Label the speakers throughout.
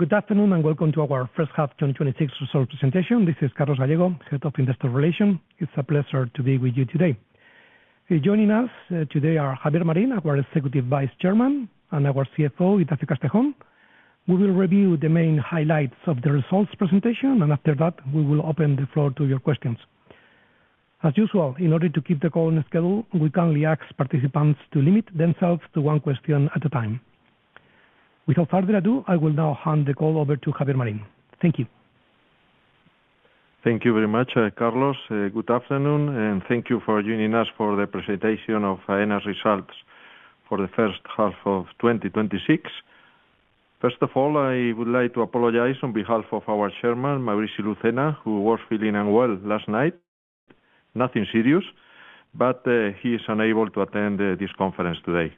Speaker 1: Good afternoon, and welcome to our first half 2026 results presentation. This is Carlos Gallego, Head of Investor Relations. It's a pleasure to be with you today. Joining us today are Javier Marín, our Executive Vice Chairman, and our CFO, Ignacio Castejón. We will review the main highlights of the results presentation. After that, we will open the floor to your questions. As usual, in order to keep the call on schedule, we kindly ask participants to limit themselves to one question at a time. Without further ado, I will now hand the call over to Javier Marín. Thank you.
Speaker 2: Thank you very much, Carlos. Good afternoon, and thank you for joining us for the presentation of Aena's results for the first half of 2026. First of all, I would like to apologize on behalf of our Chairman, Maurici Lucena, who was feeling unwell last night. Nothing serious, but he is unable to attend this conference today.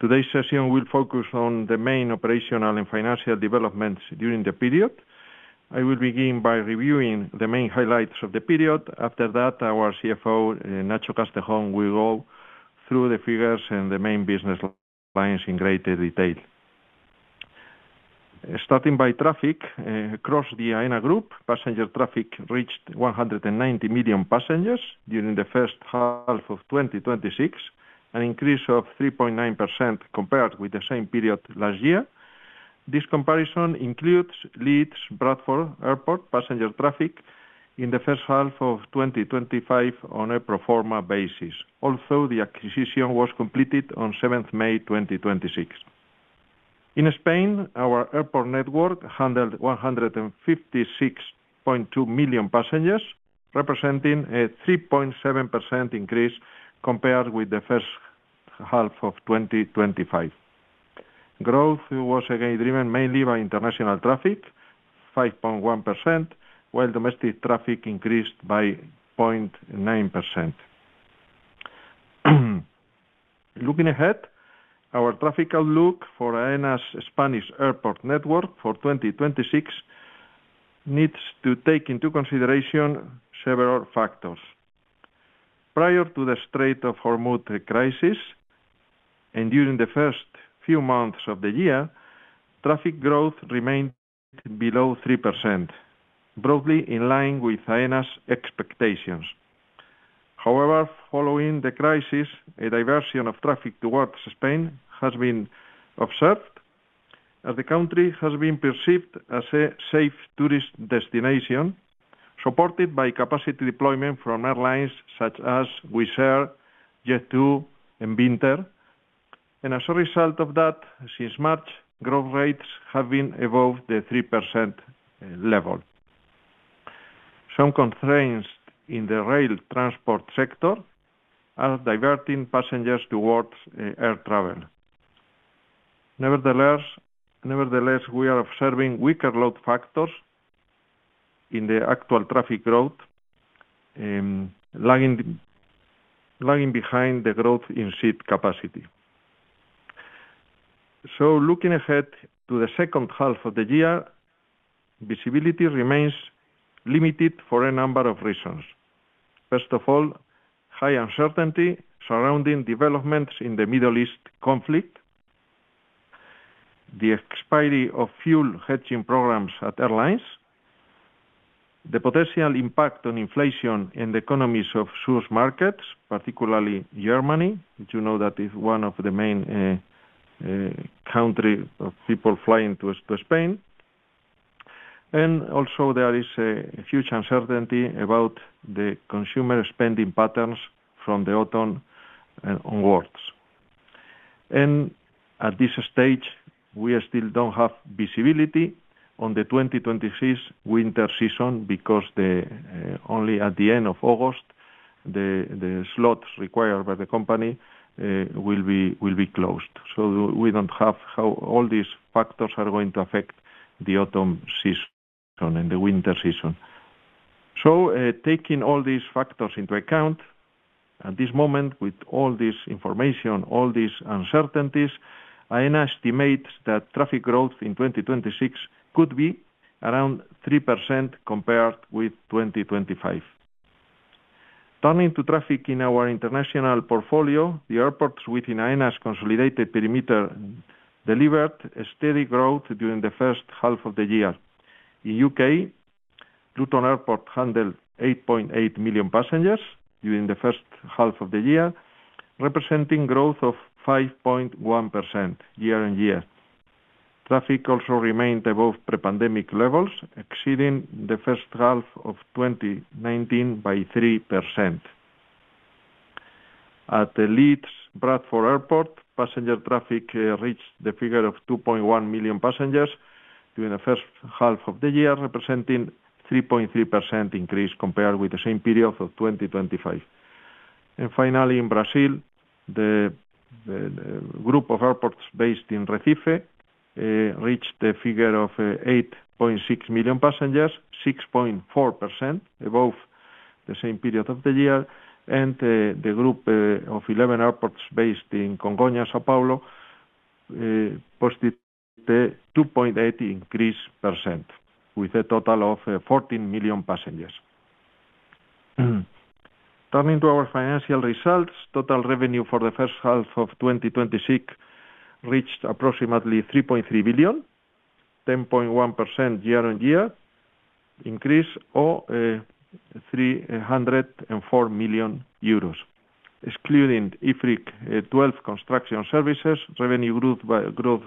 Speaker 2: Today's session will focus on the main operational and financial developments during the period. I will begin by reviewing the main highlights of the period. After that, our CFO, Ignacio Castejón, will go through the figures and the main business lines in greater detail. Starting by traffic. Across the Aena group, passenger traffic reached 190 million passengers during the first half of 2026, an increase of 3.9% compared with the same period last year. This comparison includes Leeds Bradford Airport passenger traffic in the first half of 2025 on a pro forma basis, although the acquisition was completed on 7th May 2026. In Spain, our airport network handled 156.2 million passengers, representing a 3.7% increase compared with the first half of 2025. Growth was again driven mainly by international traffic, 5.1%, while domestic traffic increased by 0.9%. Looking ahead, our traffic outlook for Aena's Spanish airport network for 2026 needs to take into consideration several factors. Prior to the Strait of Hormuz crisis, during the first few months of the year, traffic growth remained below 3%, broadly in line with Aena's expectations. Following the crisis, a diversion of traffic towards Spain has been observed, as the country has been perceived as a safe tourist destination, supported by capacity deployment from airlines such as Wizz Air, Jet2, and Binter. As a result of that, since March, growth rates have been above the 3% level. Some constraints in the rail transport sector are diverting passengers towards air travel. Nevertheless, we are observing weaker load factors in the actual traffic growth, lagging behind the growth in seat capacity. Looking ahead to the second half of the year, visibility remains limited for a number of reasons. First of all, high uncertainty surrounding developments in the Middle East conflict, the expiry of fuel hedging programs at airlines, the potential impact on inflation in the economies of source markets, particularly Germany, which you know that is one of the main country of people flying to Spain. Also there is a huge uncertainty about the consumer spending patterns from the autumn onwards. At this stage, we still don't have visibility on the 2026 winter season because only at the end of August the slots required by the company will be closed. We don't have how all these factors are going to affect the autumn season and the winter season. Taking all these factors into account, at this moment, with all this information, all these uncertainties, Aena estimates that traffic growth in 2026 could be around 3% compared with 2025. Turning to traffic in our international portfolio, the airports within Aena's consolidated perimeter delivered a steady growth during the first half of the year. In U.K., Luton Airport handled 8.8 million passengers during the first half of the year, representing growth of 5.1% year-on-year. Traffic also remained above pre-pandemic levels, exceeding the first half of 2019 by 3%. At Leeds Bradford Airport, passenger traffic reached the figure of 2.1 million passengers during the first half of the year, representing 3.3% increase compared with the same period of 2025. Finally, in Brazil, the group of airports based in Recife reached the figure of 8.6 million passengers, 6.4% above the same period of the year. The group of 11 airports based in Congonhas, São Paulo, posted a 2.8% increase, with a total of 14 million passengers. Turning to our financial results, total revenue for the first half of 2026 reached approximately 3.3 billion, 10.1% year-on-year increase, or 304 million euros. Excluding IFRIC 12 construction services, revenue growth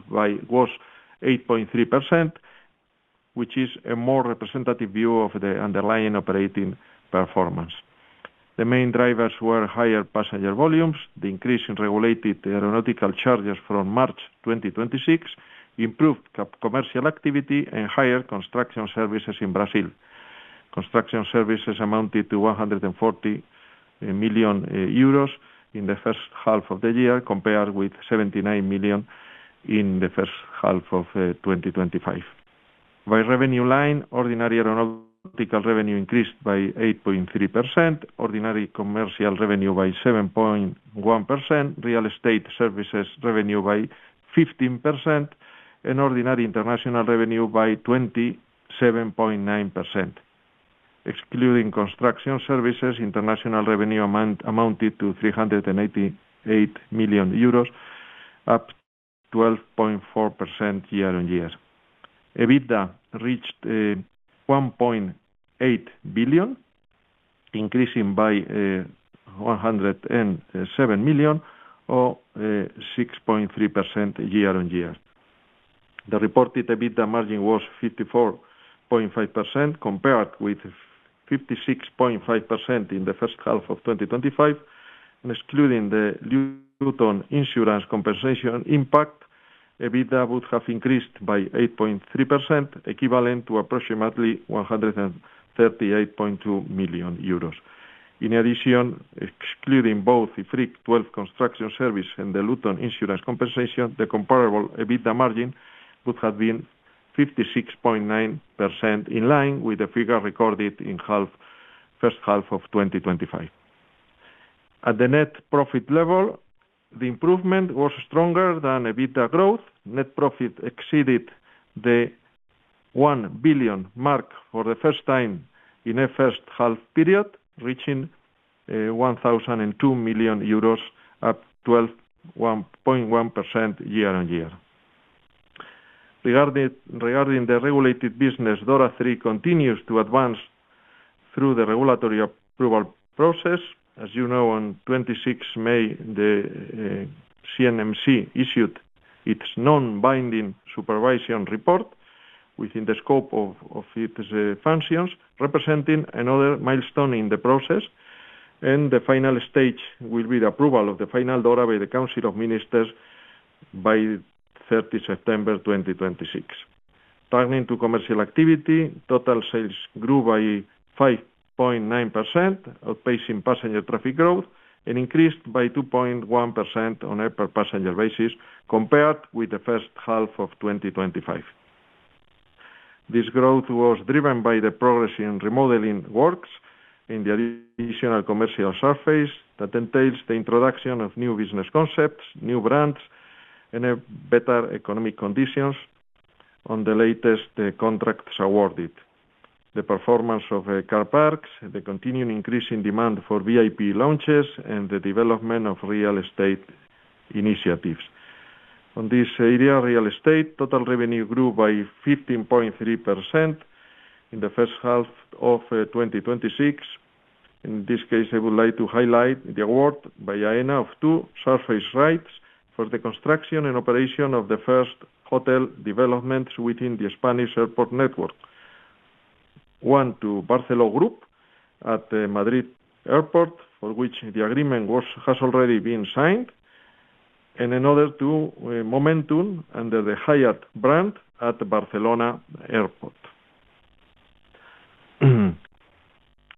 Speaker 2: was 8.3%, which is a more representative view of the underlying operating performance. The main drivers were higher passenger volumes, the increase in regulated aeronautical charges from March 2026, improved commercial activity, and higher construction services in Brazil. Construction services amounted to 140 million euros in the first half of the year, compared with 79 million in the first half of 2025. By revenue line, ordinary aeronautical revenue increased by 8.3%, ordinary commercial revenue by 7.1%, real estate services revenue by 15%, and ordinary international revenue by 27.9%. Excluding construction services, international revenue amounted to 388 million euros, up 12.4% year-on-year. EBITDA reached 1.8 billion, increasing by 107 million or 6.3% year-on-year. The reported EBITDA margin was 54.5%, compared with 56.5% in the first half of 2025, and excluding the Luton insurance compensation impact, EBITDA would have increased by 8.3%, equivalent to approximately 138.2 million euros. In addition, excluding both IFRIC 12 construction service and the Luton insurance compensation, the comparable EBITDA margin would have been 56.9%, in line with the figure recorded in first half of 2025. At the net profit level, the improvement was stronger than EBITDA growth. Net profit exceeded the 1 billion mark for the first time in a first half period, reaching 1,002 million euros, up 12.1% year-on-year. Regarding the regulated business, DORA III continues to advance through the regulatory approval process. As you know, on 26 May, the CNMC issued its non-binding supervision report within the scope of its functions, representing another milestone in the process, and the final stage will be the approval of the final DORA by the Council of Ministers by 30 September 2026. Turning to commercial activity, total sales grew by 5.9%, outpacing passenger traffic growth, and increased by 2.1% on a per passenger basis compared with the first half of 2025. This growth was driven by the progress in remodeling works in the additional commercial surface that entails the introduction of new business concepts, new brands, and better economic conditions on the latest contracts awarded. The performance of car parks, the continuing increase in demand for VIP lounges, and the development of real estate initiatives. On this area, real estate, total revenue grew by 15.3% in the first half of 2026. In this case, I would like to highlight the award by Aena of two surface rights for the construction and operation of the first hotel developments within the Spanish airport network. One to Barceló Group at the Madrid Airport, for which the agreement has already been signed, and another to Momentum under the Hyatt brand at Barcelona Airport.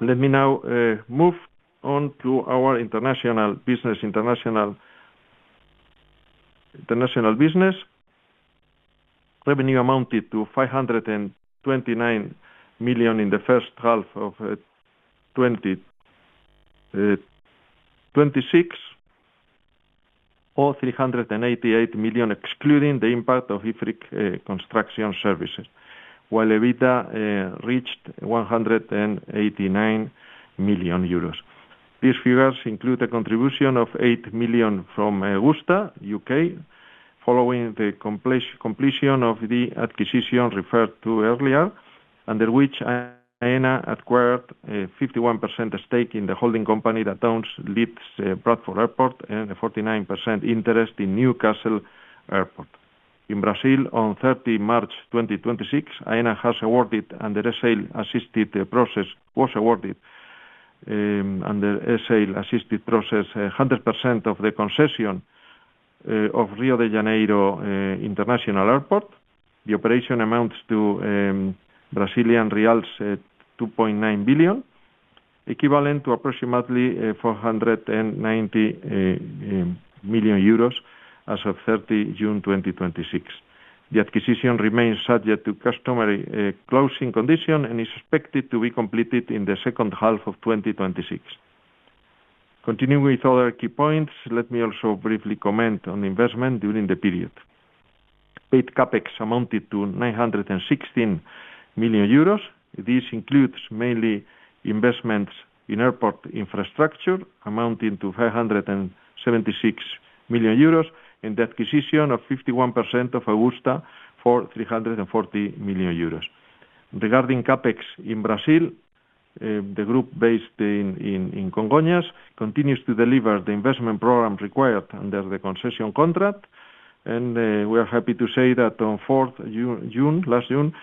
Speaker 2: Let me now move on to our international business. Revenue amounted to 529 million in the first half of 2026, or 388 million, excluding the impact of IFRIC construction services, while EBITDA reached 189 million euros. These figures include a contribution of 8 million from Augusta, U.K., following the completion of the acquisition referred to earlier, under which Aena acquired a 51% stake in the holding company that owns Leeds Bradford Airport and a 49% interest in Newcastle Airport. In Brazil on 30 March 2026, Aena has awarded under a sale-assisted process, 100% of the concession of Rio de Janeiro International Airport. The operation amounts to BRL 2.9 billion, equivalent to approximately 490 million euros as of 30 June 2026. The acquisition remains subject to customary closing condition and is expected to be completed in the second half of 2026. Continuing with other key points, let me also briefly comment on investment during the period. Paid CapEx amounted to 916 million euros. This includes mainly investments in airport infrastructure amounting to 576 million euros and the acquisition of 51% of Augusta for 340 million euros. Regarding CapEx in Brazil, the group based in Congonhas continues to deliver the investment program required under the concession contract. We are happy to say that on fourth June, last June,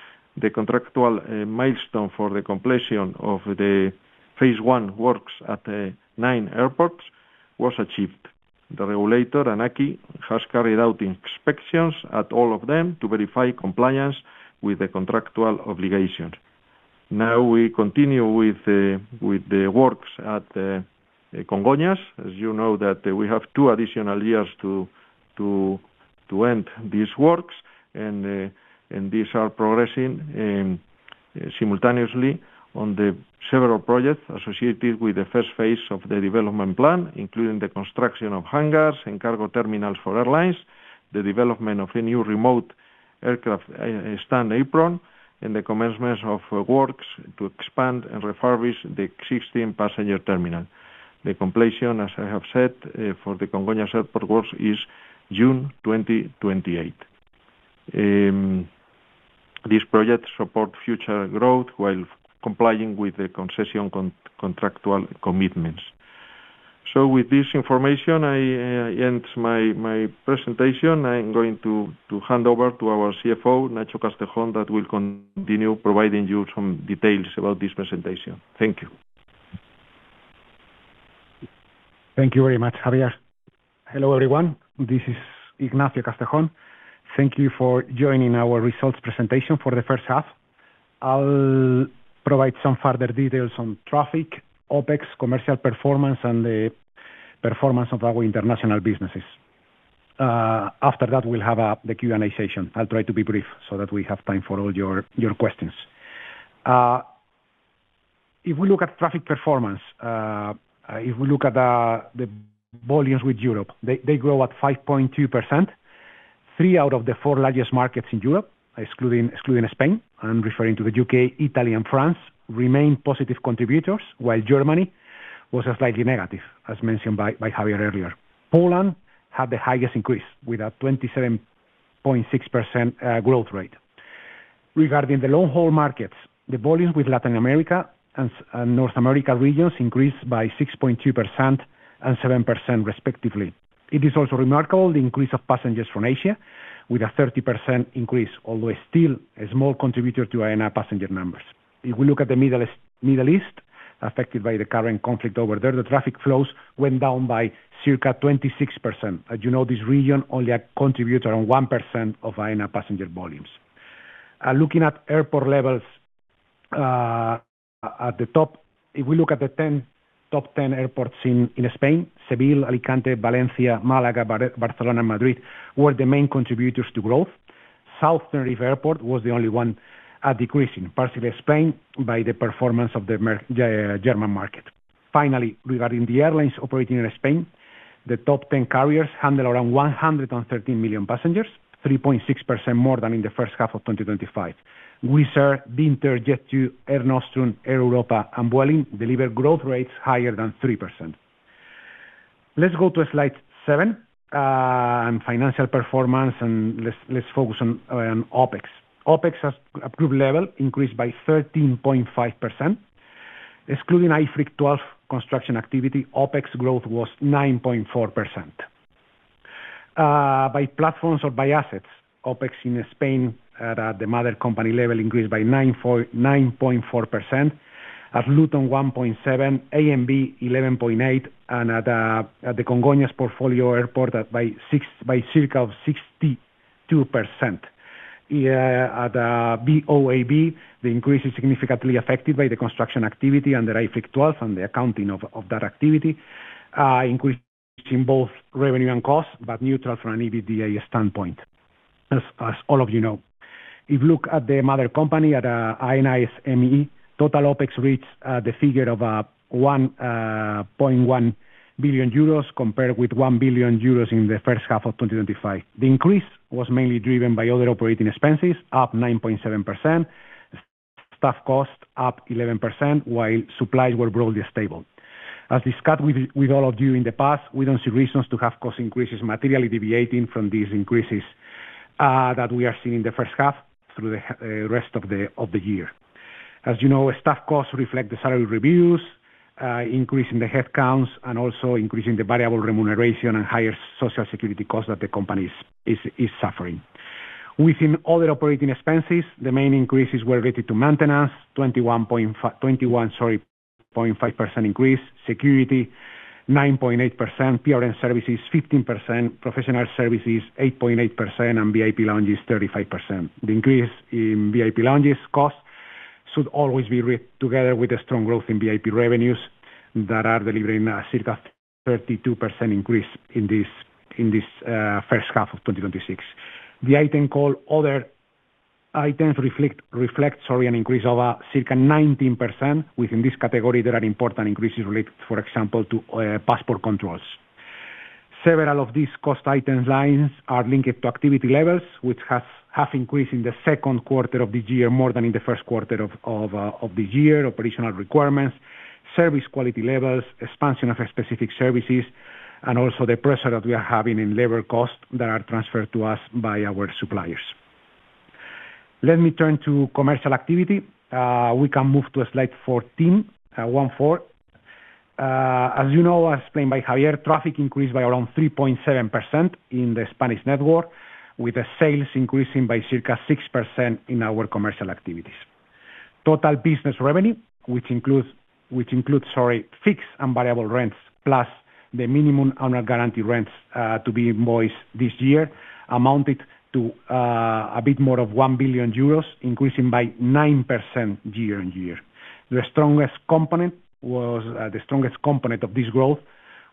Speaker 2: the contractual milestone for the completion of the phase 1 works at the nine airports was achieved. The regulator, ANAC, has carried out inspections at all of them to verify compliance with the contractual obligations. We continue with the works at Congonhas. As you know that we have two additional years to end these works and these are progressing simultaneously on the several projects associated with the first phase of the development plan, including the construction of hangars and cargo terminals for airlines, the development of a new remote aircraft stand apron, and the commencement of works to expand and refurbish the existing passenger terminal. The completion, as I have said, for the Congonhas Airport works is June 2028. These projects support future growth while complying with the concession contractual commitments. With this information, I end my presentation. I'm going to hand over to our CFO, Ignacio Castejón, that will continue providing you some details about this presentation. Thank you.
Speaker 3: Thank you very much, Javier. Hello, everyone. This is Ignacio Castejón. Thank you for joining our results presentation for the first half. I'll provide some further details on traffic, OpEx, commercial performance, and the performance of our international businesses. After that, we'll have the Q&A session. I'll try to be brief so that we have time for all your questions. If we look at traffic performance, if we look at the volumes with Europe, they grow at 5.2%. Three out of the four largest markets in Europe, excluding Spain, I'm referring to the U.K., Italy, and France, remain positive contributors, while Germany was slightly negative, as mentioned by Javier earlier. Poland had the highest increase with a 27.6% growth rate. Regarding the long-haul markets, the volumes with Latin America and North America regions increased by 6.2% and 7% respectively. It is also remarkable the increase of passengers from Asia with a 30% increase, although still a small contributor to Aena passenger numbers. If we look at the Middle East, affected by the current conflict over there, the traffic flows went down by circa 26%. As you know, this region only contributes around 1% of Aena passenger volumes. Looking at airport levels, at the top, if we look at the 10 top 10 airports in Spain, Seville, Alicante, Valencia, Malaga, Barcelona, Madrid were the main contributors to growth. South Tenerife Airport was the only one decreasing, partially explained by the performance of the German market. Finally, regarding the airlines operating in Spain, the top 10 carriers handled around 113 million passengers, 3.6% more than in the first half of 2025. Wizz Air, Vueling, Air Nostrum, Air Europa, and Vueling delivered growth rates higher than 3%. Let's go to slide seven, financial performance, and let's focus on OpEx. OpEx at group level increased by 13.5%. Excluding IFRIC 12 construction activity, OpEx growth was 9.4%. By platforms or by assets, OpEx in Spain at the mother company level increased by 9.4%. At Luton, 1.7%, ANB, 11.8%, and at the Congonhas portfolio airport by circa of 62%. At BOAB, the increase is significantly affected by the construction activity under IFRIC 12 and the accounting of that activity, increasing both revenue and costs, but neutral from an EBITDA standpoint, as all of you know. If you look at the mother company, at Aena SME, total OpEx reached the figure of 1.1 billion euros compared with 1 billion euros in the first half of 2025. The increase was mainly driven by other operating expenses, up 9.7%, staff costs up 11%, while supplies were broadly stable. As discussed with all of you in the past, we don't see reasons to have cost increases materially deviating from these increases that we are seeing in the first half through the rest of the year. As you know, staff costs reflect the salary reviews, increase in the headcounts, and also increase in the variable remuneration and higher social security costs that the company is suffering. Within other operating expenses, the main increases were related to maintenance, 21.5% increase, security 9.8%, PRM services 15%, professional services 8.8%, and VIP lounges 35%. The increase in VIP lounges cost should always be read together with the strong growth in VIP revenues that are delivering a circa 32% increase in this first half of 2026. The item called other- Items reflect an increase of circa 19%. Within this category, there are important increases related, for example, to passport controls. Several of these cost item lines are linked to activity levels, which have increased in the second quarter of the year more than in the first quarter of the year, operational requirements, service quality levels, expansion of specific services, and also the pressure that we are having in labor costs that are transferred to us by our suppliers. Let me turn to commercial activity. We can move to slide 14. As you know, as explained by Javier, traffic increased by around 3.7% in the Spanish network, with sales increasing by circa 6% in our commercial activities. Total business revenue, which includes fixed and variable rents plus the minimum annual guaranteed rents to be invoiced this year, amounted to a bit more of 1 billion euros, increasing by 9% year-on-year. The strongest component of this growth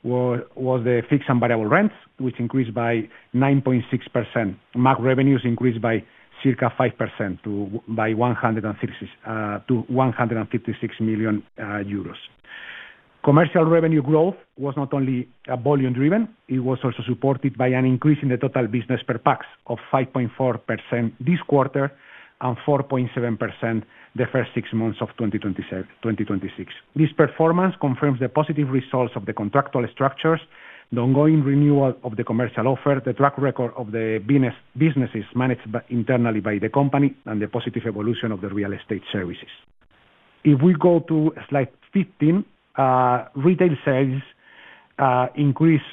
Speaker 3: was the fixed and variable rents, which increased by 9.6%. MAG revenues increased by circa 5% to 156 million euros. Commercial revenue growth was not only volume driven, it was also supported by an increase in the total business per pax of 5.4% this quarter and 4.7% the first six months of 2026. This performance confirms the positive results of the contractual structures, the ongoing renewal of the commercial offer, the track record of the businesses managed internally by the company, and the positive evolution of the real estate services. If we go to slide 15, retail sales increased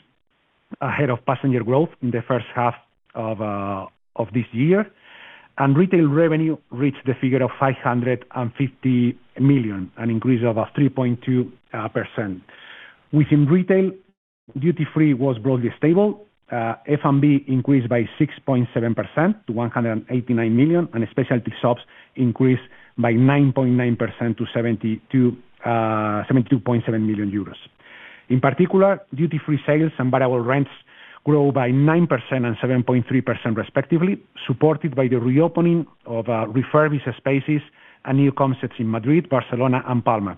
Speaker 3: ahead of passenger growth in the first half of this year, and retail revenue reached the figure of 550 million, an increase of 3.2%. Within retail, duty free was broadly stable. F&B increased by 6.7% to 189 million, and specialty shops increased by 9.9% to 72.7 million euros. In particular, duty free sales and variable rents grew by 9% and 7.3% respectively, supported by the reopening of refurbished spaces and new concepts in Madrid, Barcelona, and Palma.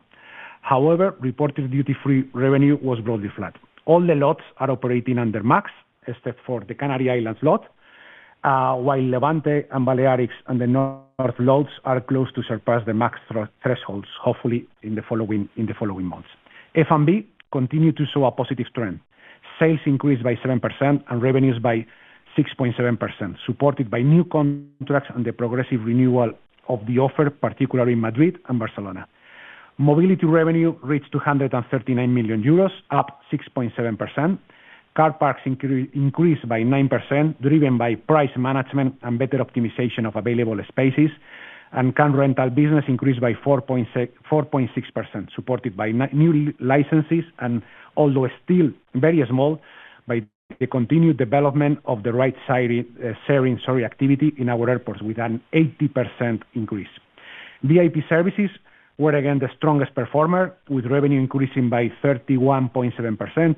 Speaker 3: However, reported duty free revenue was broadly flat. All the lots are operating under MAGs, except for the Canary Islands lot, while Levante and Balearics and the North lots are close to surpass the MAGs thresholds, hopefully in the following months. F&B continued to show a positive trend. Sales increased by 7% and revenues by 6.7%, supported by new contracts and the progressive renewal of the offer, particularly in Madrid and Barcelona. Mobility revenue reached 239 million euros, up 6.7%. Car parks increased by 9%, driven by price management and better optimization of available spaces, and car rental business increased by 4.6%, supported by new licenses and although still very small, by the continued development of the ridesharing activity in our airports with an 80% increase. VIP services were again the strongest performer, with revenue increasing by 31.7%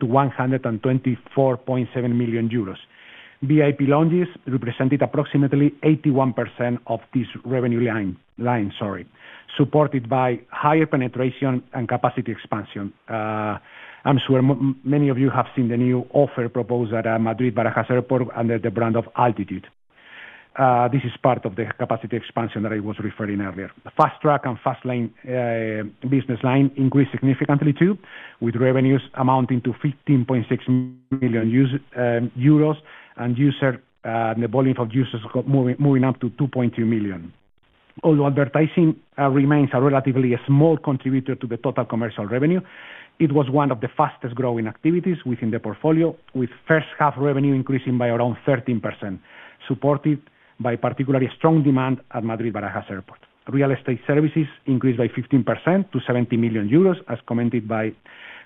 Speaker 3: to 124.7 million euros. VIP lounges represented approximately 81% of this revenue line, supported by higher penetration and capacity expansion. I'm sure many of you have seen the new offer proposed at Madrid-Barajas Airport under the brand of Altitude. This is part of the capacity expansion that I was referring earlier. Fast Track and Fast Lane business line increased significantly too, with revenues amounting to 15.6 million euros and the volume of users moving up to 2.2 million. Although advertising remains a relatively small contributor to the total commercial revenue, it was one of the fastest-growing activities within the portfolio, with first half revenue increasing by around 13%, supported by particularly strong demand at Madrid-Barajas Airport. Real estate services increased by 15% to 70 million euros, as commented by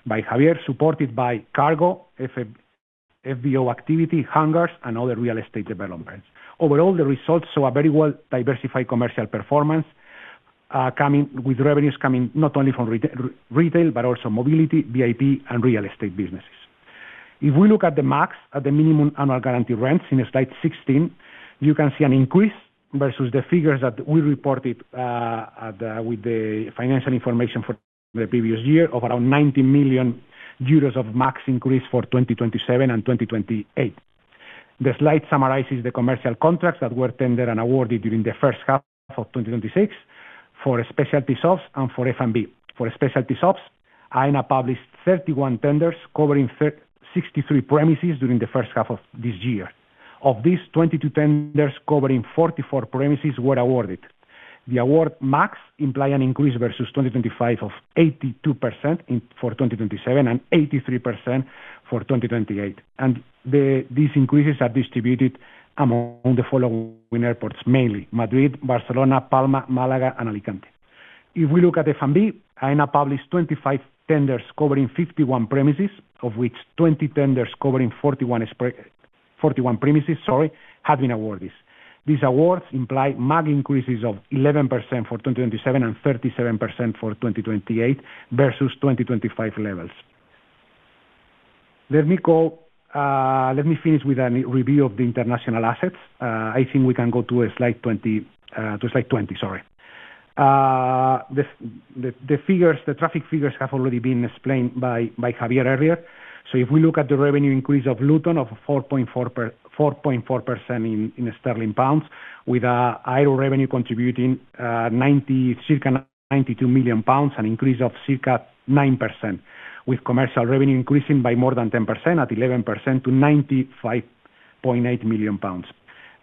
Speaker 3: Javier, supported by cargo, FBO activity, hangars, and other real estate developments. Overall, the results show a very well-diversified commercial performance, with revenues coming not only from retail, but also mobility, VIP, and real estate businesses. If we look at the MAGs at the minimum annual guaranteed rents in slide 16, you can see an increase versus the figures that we reported with the financial information for the previous year of around 90 million euros of MAGs increase for 2027 and 2028. The slide summarizes the commercial contracts that were tendered and awarded during the first half of 2026 for specialty shops and for F&B. For specialty shops, Aena published 31 tenders covering 63 premises during the first half of this year. Of these, 22 tenders covering 44 premises were awarded. The award MAGs imply an increase versus 2025 of 82% for 2027 and 83% for 2028. These increases are distributed among the following airports, mainly Madrid, Barcelona, Palma, Málaga, and Alicante. If we look at F&B, Aena published 25 tenders covering 51 premises, of which 20 tenders covering 41 premises, have been awarded. These awards imply MAG increases of 11% for 2027 and 37% for 2028 versus 2025 levels. Let me finish with a review of the international assets. I think we can go to slide 20. The traffic figures have already been explained by Javier earlier. If we look at the revenue increase of Luton of 4.4% in GBP, with aero revenue contributing circa 92 million pounds, an increase of circa 9%, with commercial revenue increasing by more than 10% at 11% to 95.8 million pounds.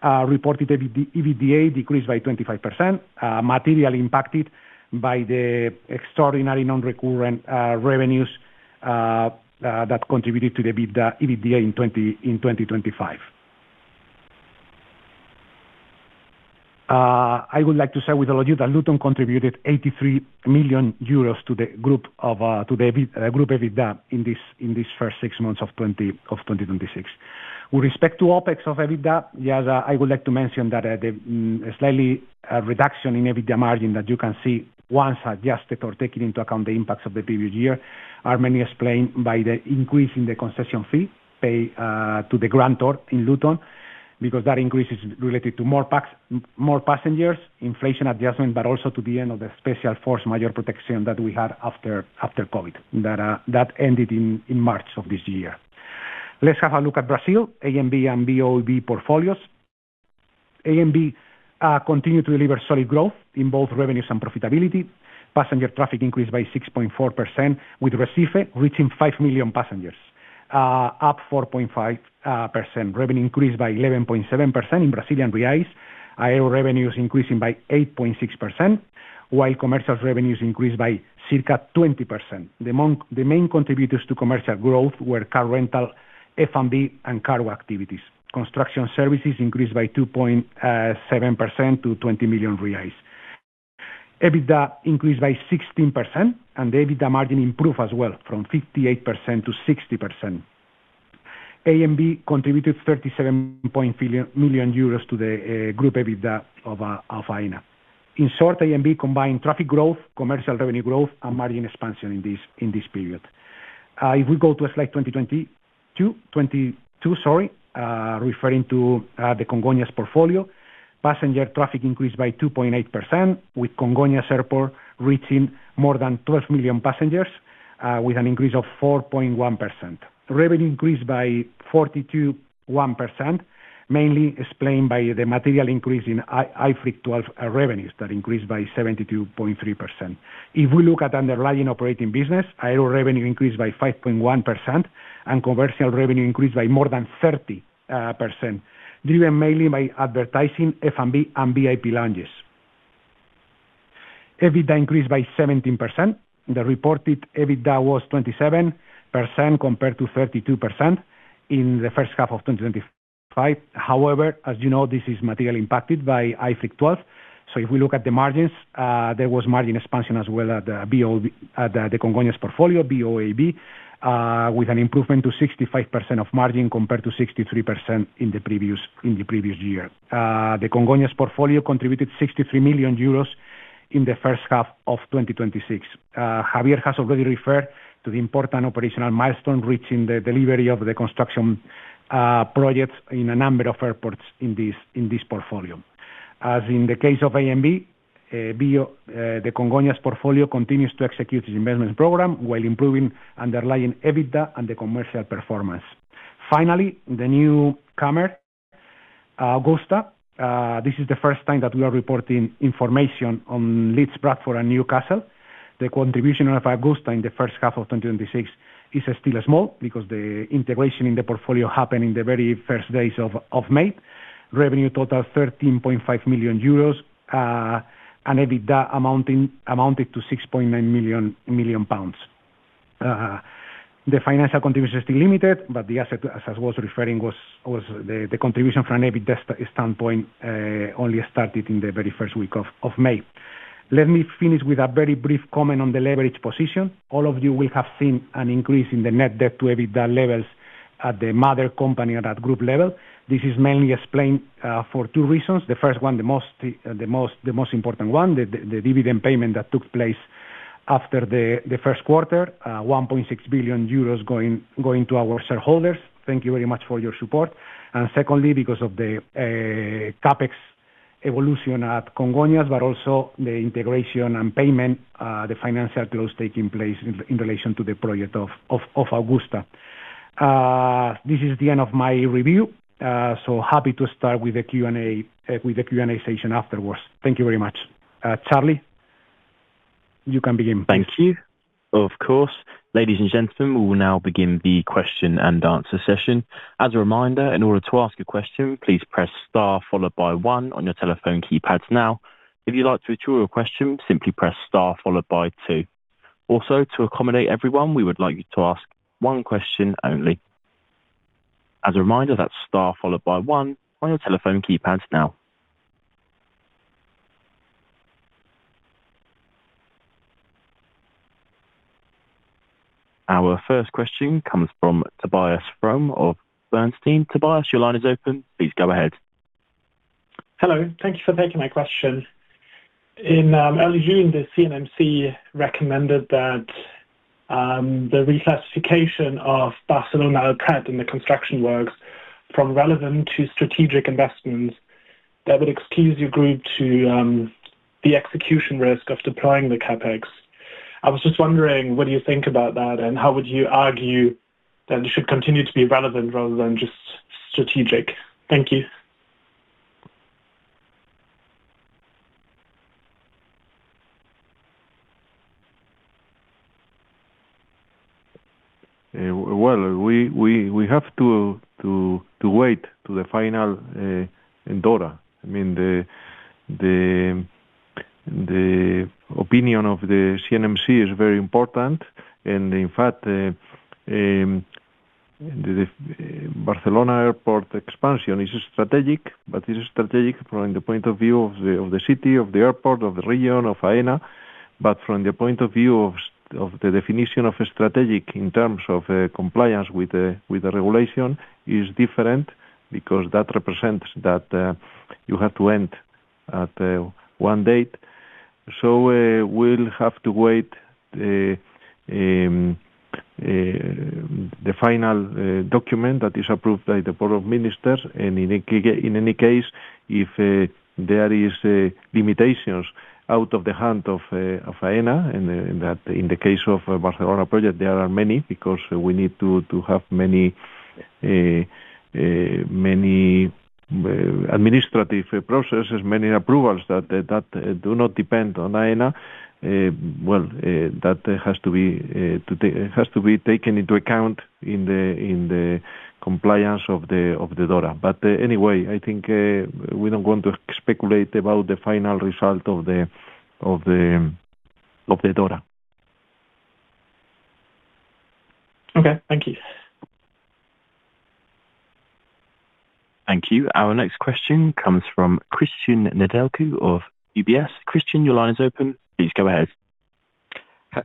Speaker 3: Reported EBITDA decreased by 25%, materially impacted by the extraordinary non-recurrent revenues that contributed to the EBITDA in 2025. I would like to say with that Luton contributed 83 million euros to the group EBITDA in this first six months of 2026. With respect to OpEx of EBITDA, yes, I would like to mention that the slight reduction in EBITDA margin that you can see once adjusted or taking into account the impacts of the previous year, are mainly explained by the increase in the concession fee paid to the grantor in Luton, because that increase is related to more passengers, inflation adjustment, but also to the end of the special force majeure protection that we had after COVID, that ended in March of this year. Let's have a look at Brazil, ANB and BOAB portfolios. ANB continue to deliver solid growth in both revenues and profitability. Passenger traffic increased by 6.4%, with Recife reaching 5 million passengers, up 4.5%. Revenue increased by 11.7% in Brazilian reais. Aero revenue is increasing by 8.6%, while commercial revenue has increased by circa 20%. The main contributors to commercial growth were car rental, F&B, and cargo activities. Construction services increased by 2.7% to 20 million reais. EBITDA increased by 16%, and the EBITDA margin improved as well from 58% to 60%. ANB contributed 37 million euros to the group EBITDA of Aena. In short, ANB combined traffic growth, commercial revenue growth, and margin expansion in this period. If we go to slide 22, referring to the Congonhas portfolio, passenger traffic increased by 2.8%, with Congonhas Airport reaching more than 12 million passengers, with an increase of 4.1%. Revenue increased by 42.1%, mainly explained by the material increase in IFRIC 12 revenues that increased by 72.3%. If we look at underlying operating business, aero revenue increased by 5.1% and commercial revenue increased by more than 30%, driven mainly by advertising, F&B, and VIP lounges. EBITDA increased by 17%. The reported EBITDA was 27% compared to 32% in the first half of 2025. However, as you know, this is materially impacted by IFRIC 12. If we look at the margins, there was margin expansion as well at the Congonhas portfolio, BOAB, with an improvement to 65% of margin compared to 63% in the previous year. The Congonhas portfolio contributed 63 million euros in the first half of 2026. Javier has already referred to the important operational milestone, reaching the delivery of the construction projects in a number of airports in this portfolio. As in the case of ANB, the Congonhas portfolio continues to execute its investment program while improving underlying EBITDA and the commercial performance. Finally, the newcomer, Augusta. This is the first time that we are reporting information on Leeds Bradford and Newcastle. The contribution of Augusta in the first half of 2026 is still small because the integration in the portfolio happened in the very first days of May. Revenue total, 13.5 million euros, and EBITDA amounted to 6.9 million pounds. The financial contribution is still limited, but as I was referring, the contribution from an EBITDA standpoint, only started in the very first week of May. Let me finish with a very brief comment on the leverage position. All of you will have seen an increase in the net debt to EBITDA levels at the mother company and at group level. This is mainly explained for two reasons. The first one, the most important one, the dividend payment that took place after the first quarter, 1.6 billion euros going to our shareholders. Thank you very much for your support. Secondly, because of the CapEx evolution at Congonhas, but also the integration and payment, the financial close taking place in relation to the project of Augusta. This is the end of my review. Happy to start with the Q&A session afterwards. Thank you very much. Charlie, you can begin please.
Speaker 4: Thank you. Of course. Ladies and gentlemen, we will now begin the question-and-answer session. As a reminder, in order to ask a question, please press star followed by one on your telephone keypads now. If you'd like to withdraw your question, simply press star followed by two. Also, to accommodate everyone, we would like you to ask one question only. As a reminder, that's star followed by one on your telephone keypads now. Our first question comes from Tobias Fromme of Bernstein. Tobias, your line is open. Please go ahead.
Speaker 5: Hello. Thank you for taking my question. In early June, the CNMC recommended that the reclassification of Barcelona Airport and the construction works from relevant to strategic investments that would excuse your group to the execution risk of deploying the CapEx. I was just wondering, what do you think about that, and how would you argue that it should continue to be relevant rather than just strategic? Thank you.
Speaker 2: Well, we have to wait to the final DORA. I mean, the opinion of the CNMC is very important, in fact, the Barcelona Airport expansion is strategic, but it is strategic from the point of view of the city, of the airport, of the region, of Aena. From the point of view of the definition of strategic in terms of compliance with the regulation is different because that represents that you have to end at one date. We'll have to wait the final document that is approved by the Council of Ministers. In any case, if there is limitations out of the hand of Aena, in the case of Barcelona project, there are many because we need to have many administrative processes, many approvals that do not depend on Aena. Well, that has to be taken into account in the compliance of the DORA. Anyway, I think we don't want to speculate about the final result of the DORA.
Speaker 5: Okay. Thank you.
Speaker 4: Thank you. Our next question comes from Cristian Nedelcu of UBS. Christian, your line is open. Please go ahead.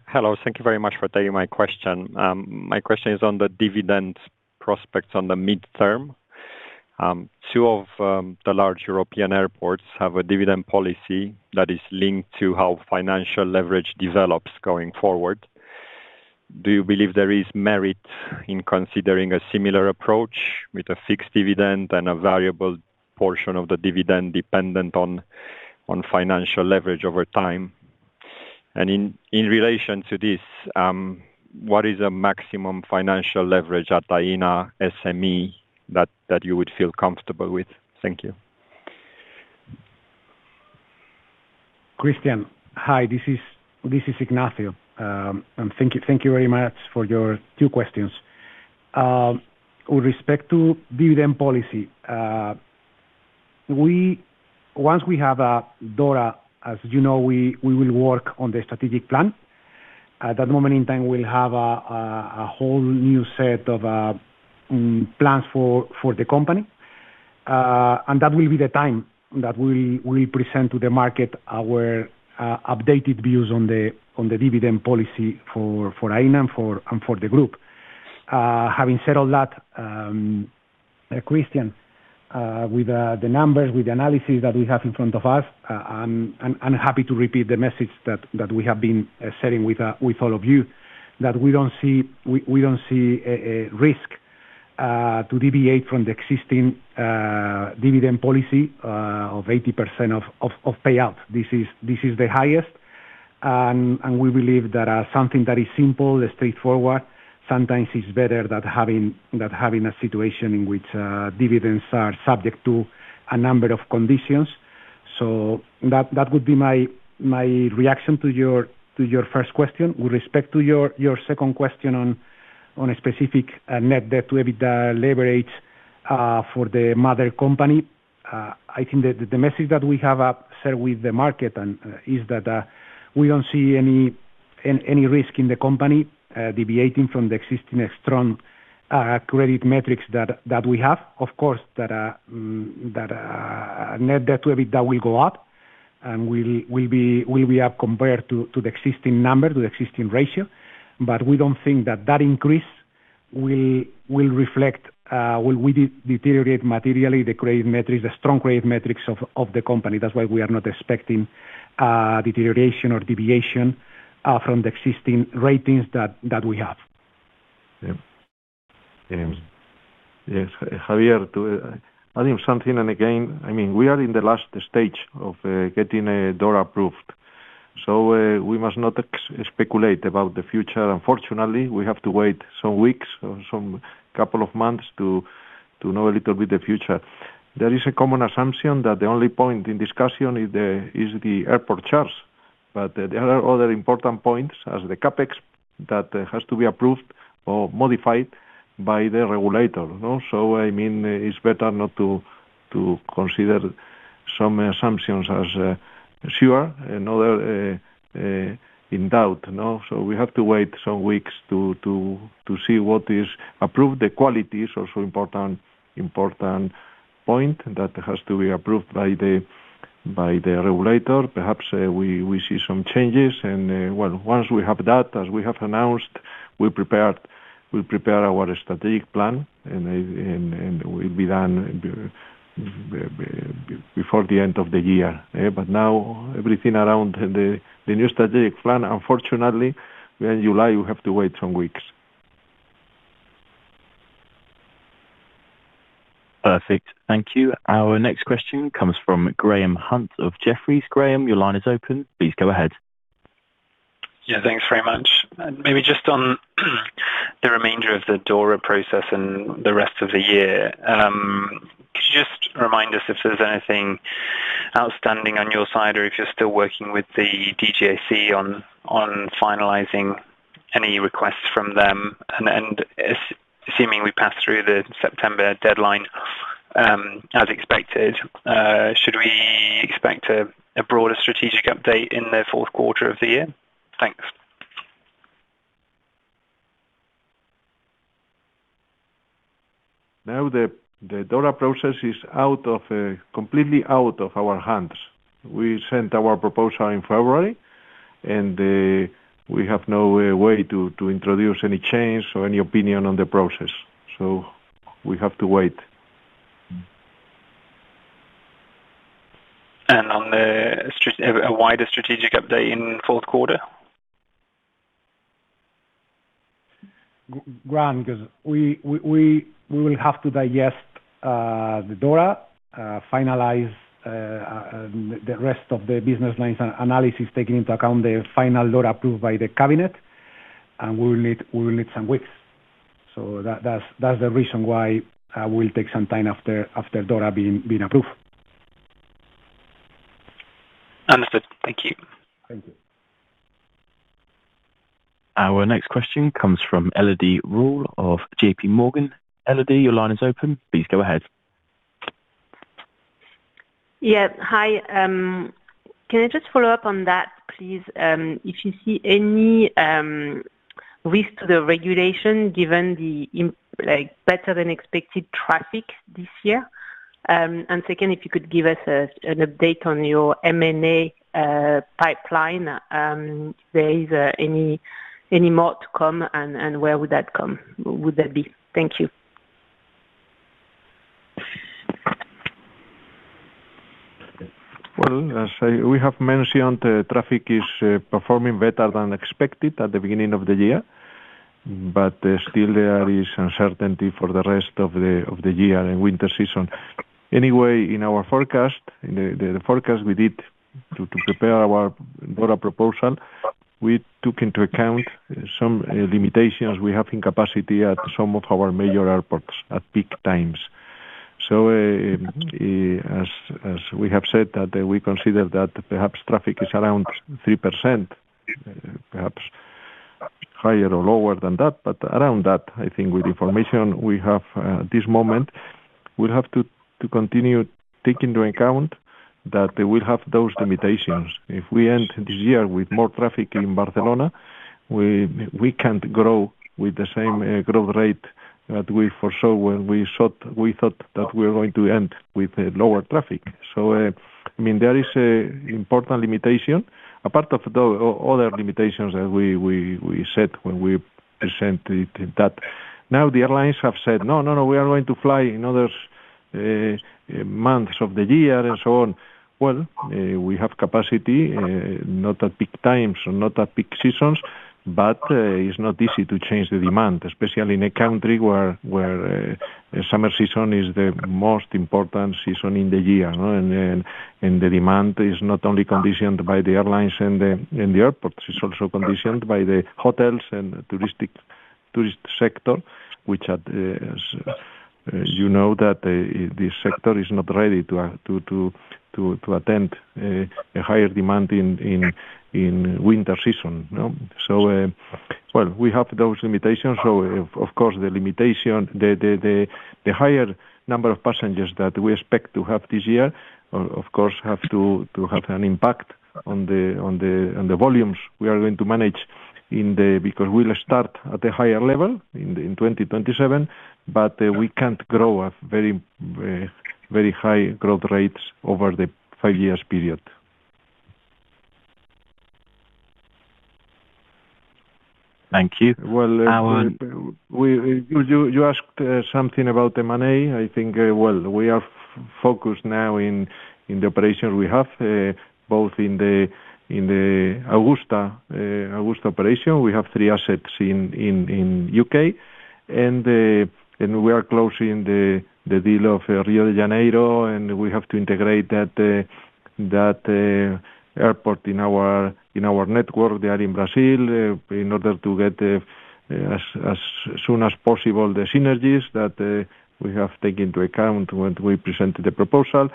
Speaker 6: Hello. Thank you very much for taking my question. My question is on the dividend prospects on the midterm. Two of the large European airports have a dividend policy that is linked to how financial leverage develops going forward. Do you believe there is merit in considering a similar approach with a fixed dividend and a variable portion of the dividend dependent on financial leverage over time? In relation to this, what is a maximum financial leverage at Aena SME that you would feel comfortable with? Thank you.
Speaker 3: Christian. Hi, this is Ignacio. Thank you very much for your two questions. With respect to dividend policy, once we have DORA, as you know, we will work on the strategic plan. At that moment in time, we'll have a whole new set of plans for the company, that will be the time that we present to the market our updated views on the dividend policy for Aena and for the group. Having said all that, Christian, with the numbers, with the analysis that we have in front of us, I'm happy to repeat the message that we have been sharing with all of you, that we don't see a risk to deviate from the existing dividend policy of 80% of payout. This is the highest, we believe that something that is simple and straightforward sometimes is better than having a situation in which dividends are subject to a number of conditions. That would be my reaction to your first question. With respect to your second question on a specific net debt to EBITDA leverage for the mother company, I think that the message that we have shared with the market is that we don't see any risk in the company deviating from the existing strong credit metrics that we have. Of course, that net debt to EBITDA will go up, and will be up compared to the existing number, to the existing ratio. We don't think that that increase will deteriorate materially the credit metrics, the strong credit metrics of the company. That's why we are not expecting deterioration or deviation from the existing ratings that we have.
Speaker 2: Yes. Javier, to add something, again, we are in the last stage of getting DORA approved, we must not speculate about the future. Unfortunately, we have to wait some weeks or some couple of months to know a little bit the future. There is a common assumption that the only point in discussion is the airport charge, there are other important points as the CapEx that has to be approved or modified by the regulator. It's better not to consider some assumptions as sure, another in doubt. We have to wait some weeks to see what is approved. The quality is also important point that has to be approved by the regulator. Perhaps we see some changes. Once we have that, as we have announced, we'll prepare our strategic plan, it will be done before the end of the year. Now everything around the new strategic plan, unfortunately, in July, we have to wait some weeks.
Speaker 4: Perfect. Thank you. Our next question comes from Graham Hunt of Jefferies. Graham, your line is open. Please go ahead.
Speaker 7: Yeah, thanks very much. Maybe just on the remainder of the DORA process and the rest of the year, could you just remind us if there's anything outstanding on your side or if you're still working with the DGAC on finalizing any requests from them? Assuming we pass through the September deadline as expected, should we expect a broader strategic update in the fourth quarter of the year? Thanks.
Speaker 2: Now the DORA process is completely out of our hands. We sent our proposal in February, and we have no way to introduce any change or any opinion on the process. We have to wait.
Speaker 7: On a wider strategic update in the fourth quarter?
Speaker 2: Graham, because we will have to digest the DORA, finalize the rest of the business lines analysis, taking into account the final DORA approved by the cabinet, and we will need some weeks. That's the reason why we'll take some time after DORA being approved.
Speaker 7: Understood. Thank you.
Speaker 2: Thank you.
Speaker 4: Our next question comes from Elodie Rall of JPMorgan. Elodie, your line is open. Please go ahead.
Speaker 8: Hi. Can I just follow up on that, please? If you see any risk to the regulation given the better-than-expected traffic this year. Second, if you could give us an update on your M&A pipeline. If there is any more to come, and where would that come? Thank you.
Speaker 2: As we have mentioned, traffic is performing better than expected at the beginning of the year, still there is uncertainty for the rest of the year and winter season. Anyway, in our forecast, the forecast we did to prepare our broader proposal, we took into account some limitations we have in capacity at some of our major airports at peak times. As we have said, that we consider that perhaps traffic is around 3%, perhaps higher or lower than that, but around that, I think with the information we have at this moment, we have to continue taking into account that they will have those limitations. If we end this year with more traffic in Barcelona, we can't grow with the same growth rate that we foresaw when we thought that we were going to end with lower traffic. There is an important limitation. Apart of the other limitations that we set when we presented that. Now the airlines have said, "No, we are going to fly in other months of the year and so on." Well, we have capacity, not at peak times, not at peak seasons, it's not easy to change the demand, especially in a country where summer season is the most important season in the year. The demand is not only conditioned by the airlines and the airports, it's also conditioned by the hotels and tourist sector, which as you know, that this sector is not ready to attend a higher demand in winter season. Well, we have those limitations. Of course, the higher number of passengers that we expect to have this year, of course, have to have an impact on the volumes we are going to manage because we'll start at a higher level in 2027, but we can't grow at very high growth rates over the five years period.
Speaker 4: Thank you.
Speaker 2: Well, you asked something about M&A. I think, well, we are focused now on the operations we have, both in the Augusta operation, we have three assets in the U.K., and we are closing the deal of Rio de Janeiro, and we have to integrate that airport in our network there in Brazil in order to get as soon as possible the synergies that we have taken into account when we presented the proposal.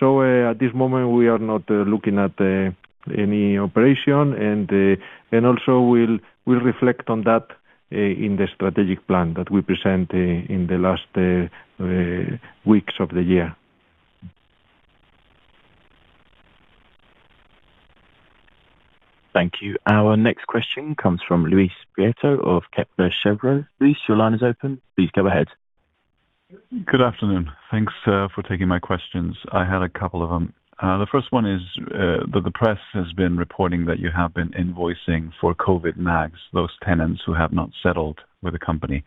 Speaker 2: At this moment, we are not looking at any operation, and also we'll reflect on that in the strategic plan that we present in the last weeks of the year.
Speaker 4: Thank you. Our next question comes from Luis Prieto of Kepler Cheuvreux. Luis, your line is open. Please go ahead.
Speaker 9: Good afternoon. Thanks for taking my questions. I had a couple of them. The first one is that the press has been reporting that you have been invoicing for COVID lags, those tenants who have not settled with the company.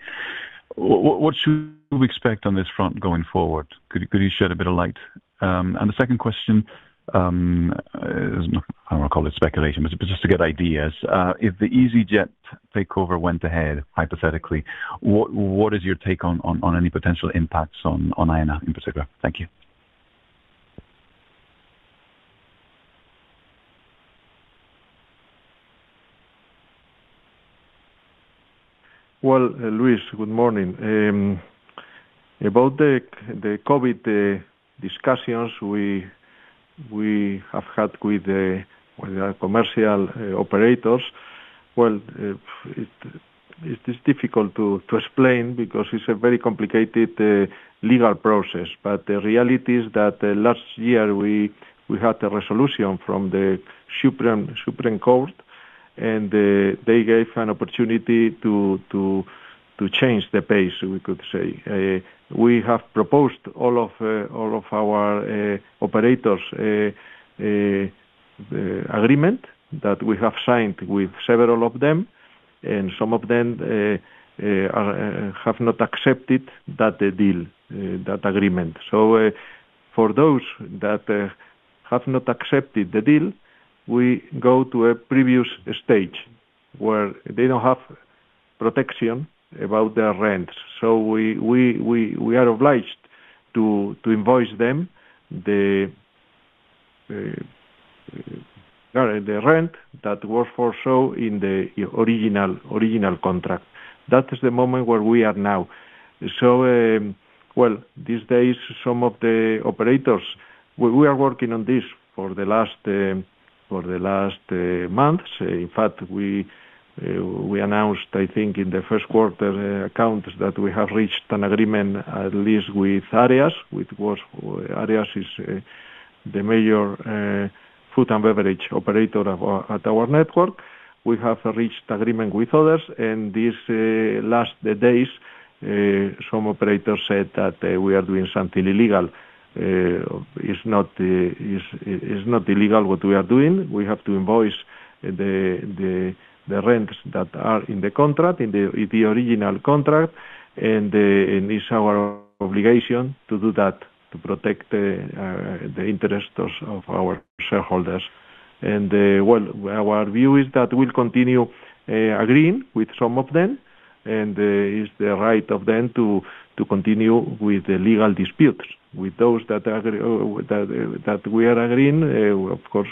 Speaker 9: What should we expect on this front going forward? Could you shed a bit of light? The second question, I don't want to call it speculation, but just to get ideas. If the EasyJet takeover went ahead, hypothetically, what is your take on any potential impacts on Aena in particular? Thank you.
Speaker 2: Well, Luis, good morning. About the COVID discussions we have had with the commercial operators, well, it is difficult to explain because it's a very complicated legal process. The reality is that last year we had a resolution from the Supreme Court, and they gave an opportunity to change the pace, we could say. We have proposed all of our operators agreement that we have signed with several of them, and some of them have not accepted that deal, that agreement. For those that have not accepted the deal, we go to a previous stage where they don't have protection about their rents. We are obliged to invoice them the rent that was for show in the original contract. That is the moment where we are now. Well, these days, some of the operators, we are working on this for the last months. We announced, I think, in the first quarter accounts that we have reached an agreement, at least with Areas. Areas is the major food and beverage operator at our network. We have reached agreement with others. These last days, some operators said that we are doing something illegal. It's not illegal what we are doing. We have to invoice the rents that are in the contract, in the original contract. It's our obligation to do that, to protect the interest of our shareholders. Well, our view is that we'll continue agreeing with some of them. It's the right of them to continue with the legal disputes. With those that we are agreeing, of course,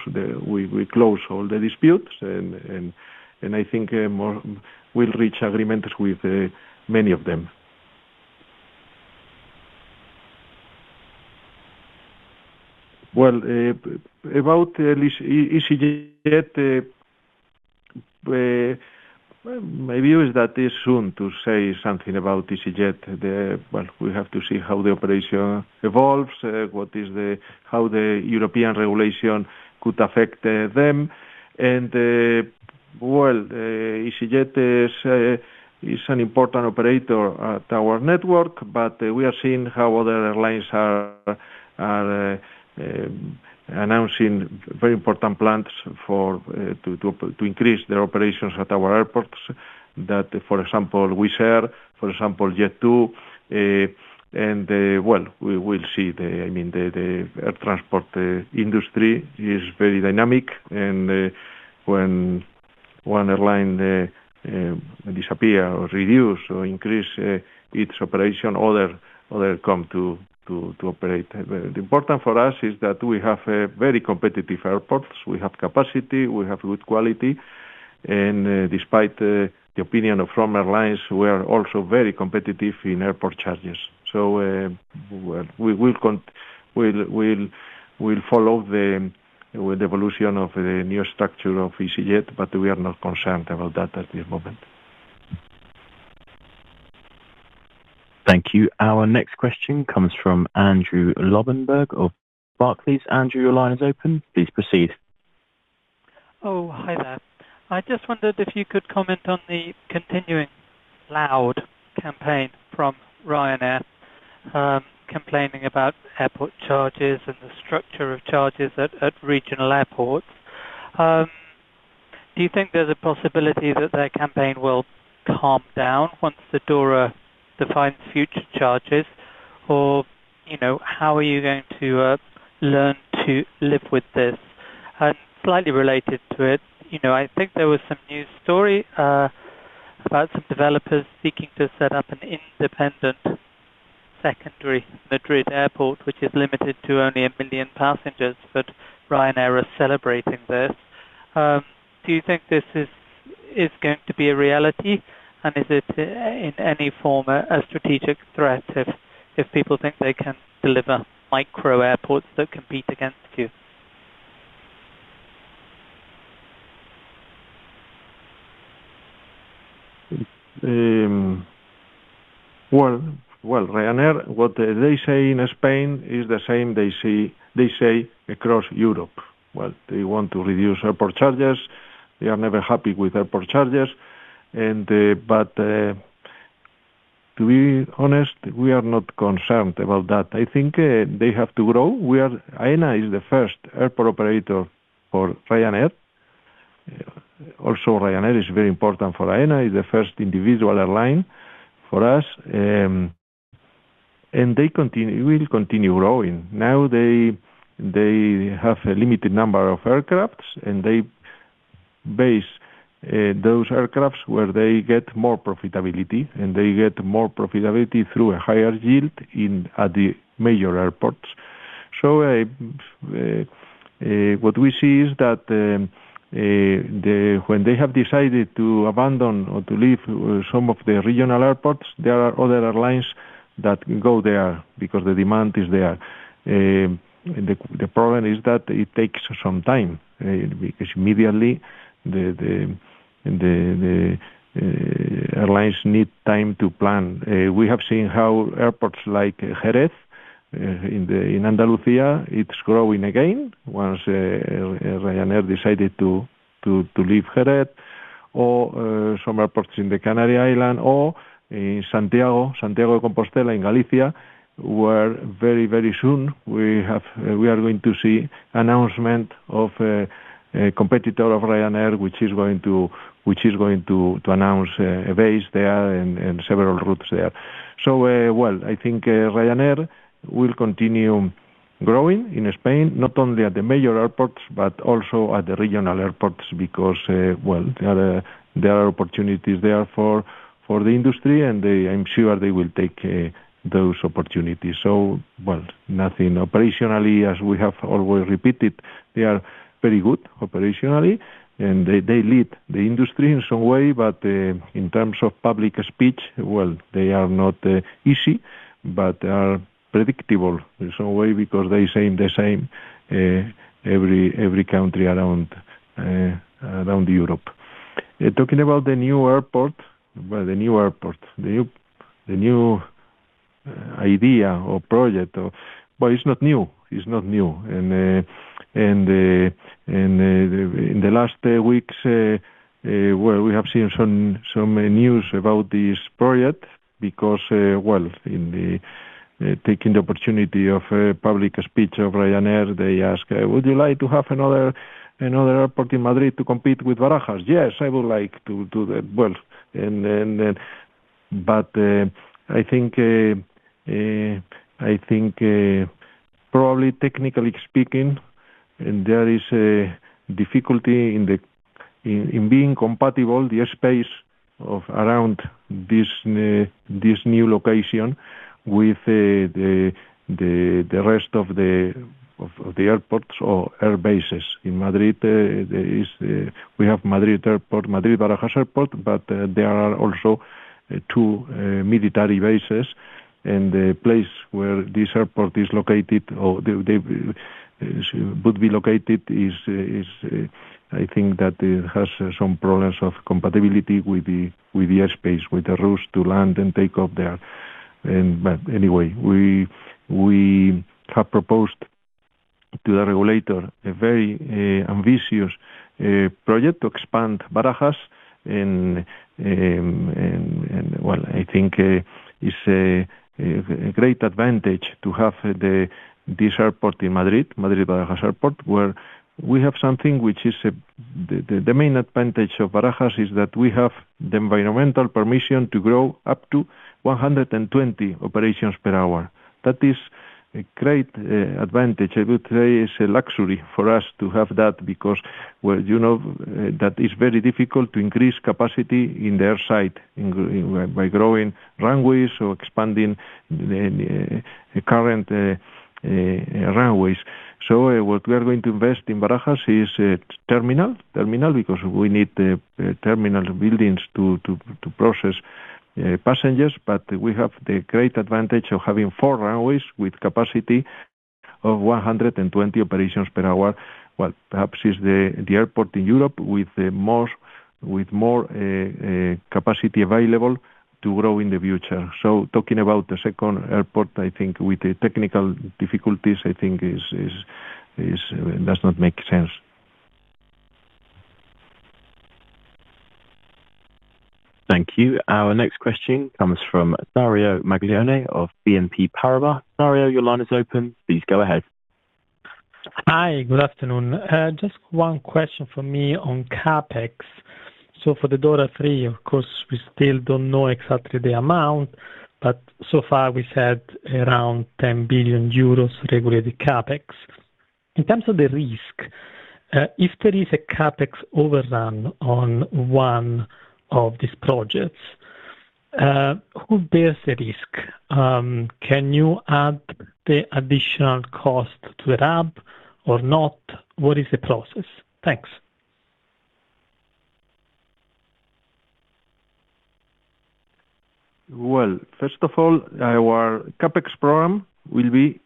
Speaker 2: we close all the disputes. I think we'll reach agreements with many of them. Well, about EasyJet, my view is that it's soon to say something about EasyJet. Well, we have to see how the operation evolves, how the European regulation could affect them. Well, EasyJet is an important operator at our network. We are seeing how other airlines are announcing very important plans to increase their operations at our airports. That, for example, Wizz Air, for example, Jet2. Well, we will see. I mean, the air transport industry is very dynamic. When one airline disappear or reduce or increase its operation, others come to operate. The important for us is that we have very competitive airports. We have capacity, we have good quality. Despite the opinion of some airlines, we are also very competitive in airport charges. Well, we'll follow the evolution of the new structure of EasyJet. We are not concerned about that at this moment.
Speaker 4: Thank you. Our next question comes from Andrew Lobbenberg of Barclays. Andrew, your line is open. Please proceed.
Speaker 10: Hi there. I just wondered if you could comment on the continuing loud campaign from Ryanair complaining about airport charges and the structure of charges at regional airports. Do you think there's a possibility that their campaign will calm down once the DORA defines future charges? How are you going to learn to live with this? Slightly related to it, I think there was some news story about some developers seeking to set up an independent secondary Madrid airport, which is limited to only 1 million passengers. Ryanair is celebrating this. Do you think this is going to be a reality? Is it, in any form, a strategic threat if people think they can deliver micro airports that compete against you?
Speaker 2: Ryanair, what they say in Spain is the same they say across Europe. They want to reduce airport charges. They are never happy with airport charges. To be honest, we are not concerned about that. I think they have to grow. Aena is the first airport operator for Ryanair. Also, Ryanair is very important for Aena, is the first individual airline for us. They will continue growing. Now they have a limited number of aircraft, and they base those aircraft where they get more profitability, and they get more profitability through a higher yield at the major airports. What we see is that when they have decided to abandon or to leave some of the regional airports, there are other airlines that go there because the demand is there. The problem is that it takes some time, because immediately, the airlines need time to plan. We have seen how airports like Jerez in Andalusia, it's growing again once Ryanair decided to leave Jerez, or some airports in the Canary Islands, or Santiago de Compostela in Galicia, where very soon we are going to see announcement of a competitor of Ryanair, which is going to announce a base there and several routes there. I think Ryanair will continue growing in Spain, not only at the major airports, but also at the regional airports because there are opportunities there for the industry, and I'm sure they will take those opportunities. Nothing operationally, as we have always repeated, they are very good operationally, and they lead the industry in some way. In terms of public speech, they are not easy, but they are predictable in some way because they say the same every country around Europe. Talking about the new airport. The new airport. The new idea or project. It's not new. In the last weeks, we have seen some news about this project because, taking the opportunity of public speech of Ryanair, they ask, "Would you like to have another airport in Madrid to compete with Barajas?" "Yes, I would like to do that well." I think probably technically speaking, there is a difficulty in being compatible, the airspace around this new location with the rest of the airports or airbases in Madrid. We have Madrid Airport, Madrid-Barajas Airport, but there are also two military bases, and the place where this airport is located or would be located is I think that it has some problems of compatibility with the airspace, with the routes to land and take off there. Anyway, we have proposed to the regulator a very ambitious project to expand Barajas. I think it's a great advantage to have this airport in Madrid-Barajas Airport, where we have something which is the main advantage of Barajas is that we have the environmental permission to grow up to 120 operations per hour. That is a great advantage. I would say it's a luxury for us to have that because, you know that it's very difficult to increase capacity in the air side by growing runways or expanding the current runways. What we are going to invest in Barajas is terminal because we need the terminal buildings to process passengers. We have the great advantage of having four runways with capacity of 120 operations per hour. Perhaps it's the airport in Europe with more capacity available to grow in the future. Talking about the second airport, with the technical difficulties, does not make sense.
Speaker 4: Thank you. Our next question comes from Dario Maglione of BNP Paribas. Dario, your line is open. Please go ahead.
Speaker 11: Hi. Good afternoon. Just one question from me on CapEx. For the DORA III, of course, we still don't know exactly the amount, but so far we've said around 10 billion euros regulated CapEx. In terms of the risk, if there is a CapEx overrun on one of these projects, who bears the risk? Can you add the additional cost to the RAB or not? What is the process? Thanks.
Speaker 2: Well, first of all, our CapEx program will be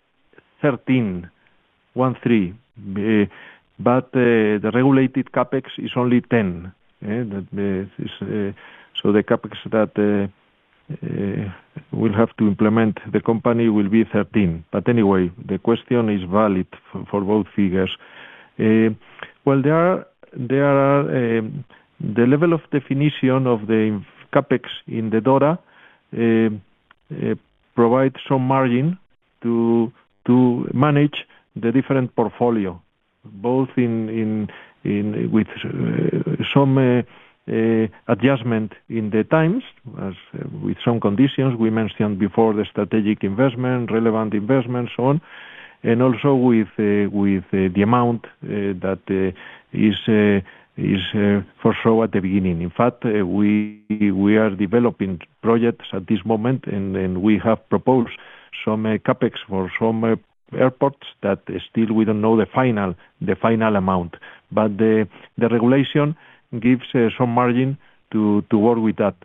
Speaker 2: 13 billion. The regulated CapEx is only 10 billion. The CapEx that we'll have to implement the company will be 13 billion. Anyway, the question is valid for both figures. Well, the level of definition of the CapEx in the DORA provides some margin to manage the different portfolio, both with some adjustment in the times, as with some conditions. We mentioned before the strategic investment, relevant investment, so on, and also with the amount that is for sure at the beginning. In fact, we are developing projects at this moment, and we have proposed some CapEx for some airports that still we don't know the final amount. The regulation gives some margin to work with that.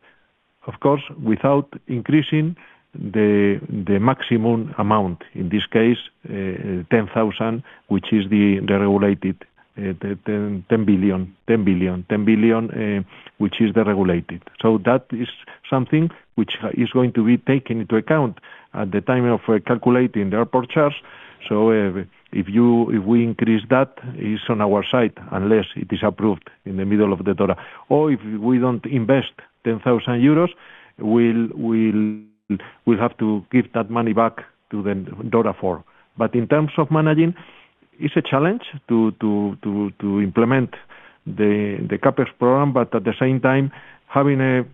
Speaker 2: Of course, without increasing the maximum amount, in this case, 10,000, which is the regulated 10 billion, which is the regulated. That is something which is going to be taken into account at the time of calculating the airport charge. If we increase that, it's on our side, unless it is approved in the middle of the DORA, or if we don't invest 10,000 euros, we'll have to give that money back to the DORA. In terms of managing, it's a challenge to implement the CapEx program, but at the same time, having a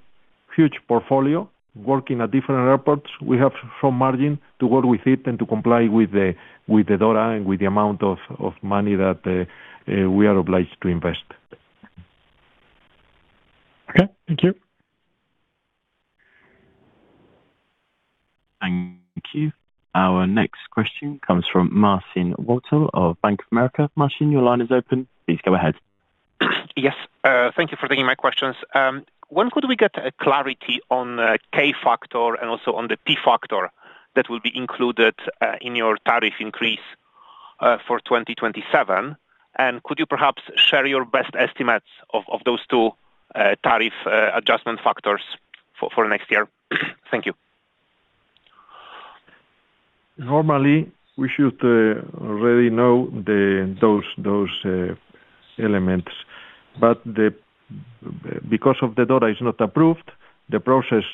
Speaker 2: huge portfolio, working at different airports, we have some margin to work with it and to comply with the DORA and with the amount of money that we are obliged to invest.
Speaker 11: Okay. Thank you.
Speaker 4: Thank you. Our next question comes from Marcin Wojtal of Bank of America. Marcin, your line is open. Please go ahead.
Speaker 12: Yes. Thank you for taking my questions. When could we get clarity on K factor and also on the P factor that will be included in your tariff increase for 2027? Could you perhaps share your best estimates of those two tariff adjustment factors for next year? Thank you.
Speaker 2: Normally, we should already know those elements. Because the DORA is not approved, the process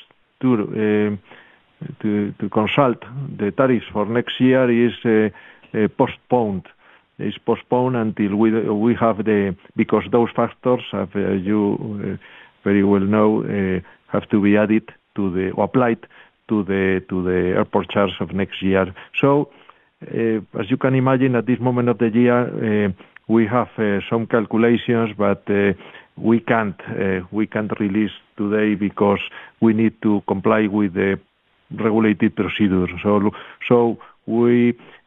Speaker 2: to consult the tariffs for next year is postponed until we have, because those factors, as you very well know, have to be added to, or applied to the airport charge of next year. As you can imagine at this moment of the year, we have some calculations, but we can't release today because we need to comply with the regulated procedures.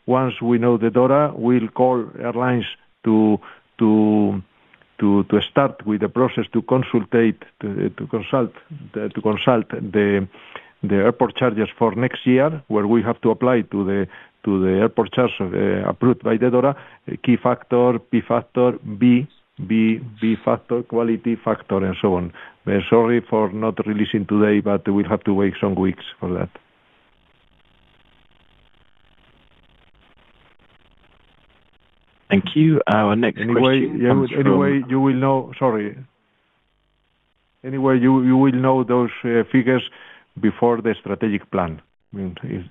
Speaker 2: Once we know the DORA, we'll call airlines to start with the process to consult the airport charges for next year, where we have to apply to the airport charge approved by the DORA, K factor, P factor, B factor, quality factor, and so on. Sorry for not releasing today, but we have to wait some weeks for that.
Speaker 4: Thank you. Our next question comes from-
Speaker 2: You will know those figures before the strategic plan.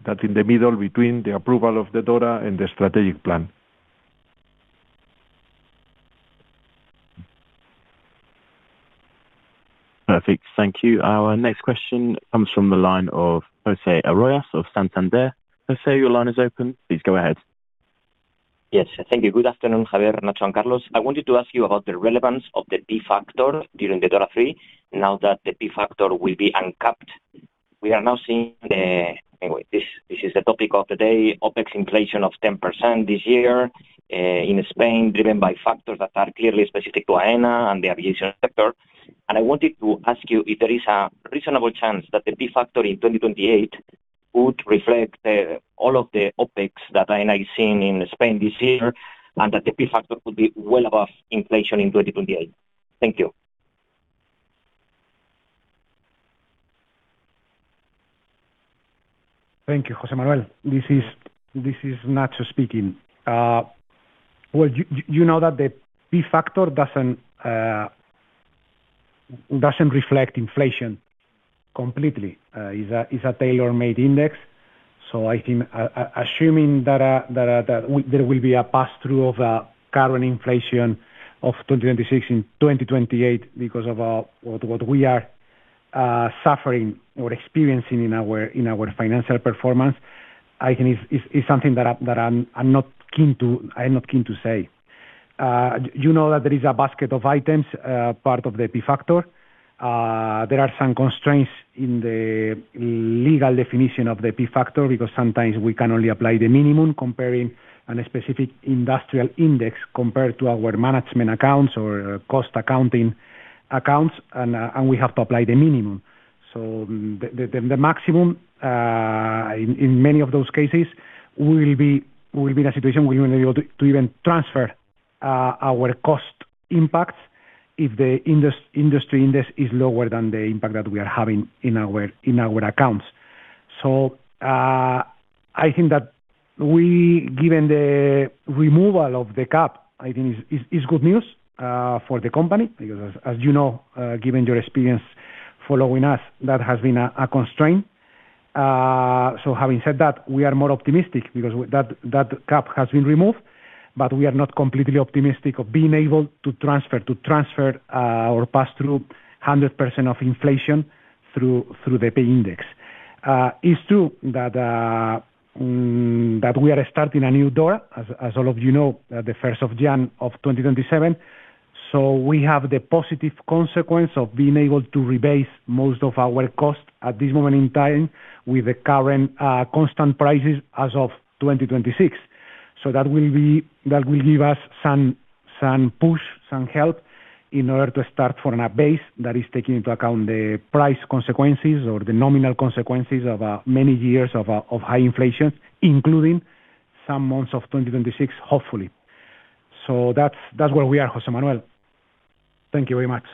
Speaker 2: That's in the middle between the approval of the DORA and the strategic plan.
Speaker 4: Perfect. Thank you. Our next question comes from the line of José Arroyas of Santander. José, your line is open. Please go ahead.
Speaker 13: Yes. Thank you. Good afternoon, Javier, Ignacio, and Carlos. I wanted to ask you about the relevance of the P factor during the DORA III now that the P factor will be uncapped. We are now seeing the, this is the topic of the day, OpEx inflation of 10% this year in Spain, driven by factors that are clearly specific to Aena and the aviation sector. I wanted to ask you if there is a reasonable chance that the P factor in 2028 would reflect all of the OpEx that Aena is seeing in Spain this year, and that the P factor could be well above inflation in 2028. Thank you.
Speaker 3: Thank you, José Manuel. This is Ignacio speaking. Well, you know that the P factor doesn't reflect inflation completely. It's a tailor-made index. I think assuming that there will be a pass-through of current inflation of 2026 in 2028 because of what we are suffering or experiencing in our financial performance, is something that I'm not keen to say. You know that there is a basket of items, part of the P factor. There are some constraints in the legal definition of the P factor because sometimes we can only apply the minimum comparing a specific industrial index compared to our management accounts or cost accounting accounts, and we have to apply the minimum. The maximum in many of those cases will be in a situation where you won't be able to even transfer our cost impacts if the industry index is lower than the impact that we are having in our accounts. I think that given the removal of the cap is good news for the company because, as you know, given your experience following us, that has been a constraint. Having said that, we are more optimistic because that cap has been removed, but we are not completely optimistic of being able to transfer or pass through 100% of inflation through the P factor. It's true that we are starting a new DORA, as all of you know, the 1st of January of 2027. We have the positive consequence of being able to rebase most of our costs at this moment in time with the current constant prices as of 2026. That will give us some push, some help in order to start from a base that is taking into account the price consequences or the nominal consequences of many years of high inflation, including some months of 2026, hopefully. That's where we are, José Manuel. Thank you very much.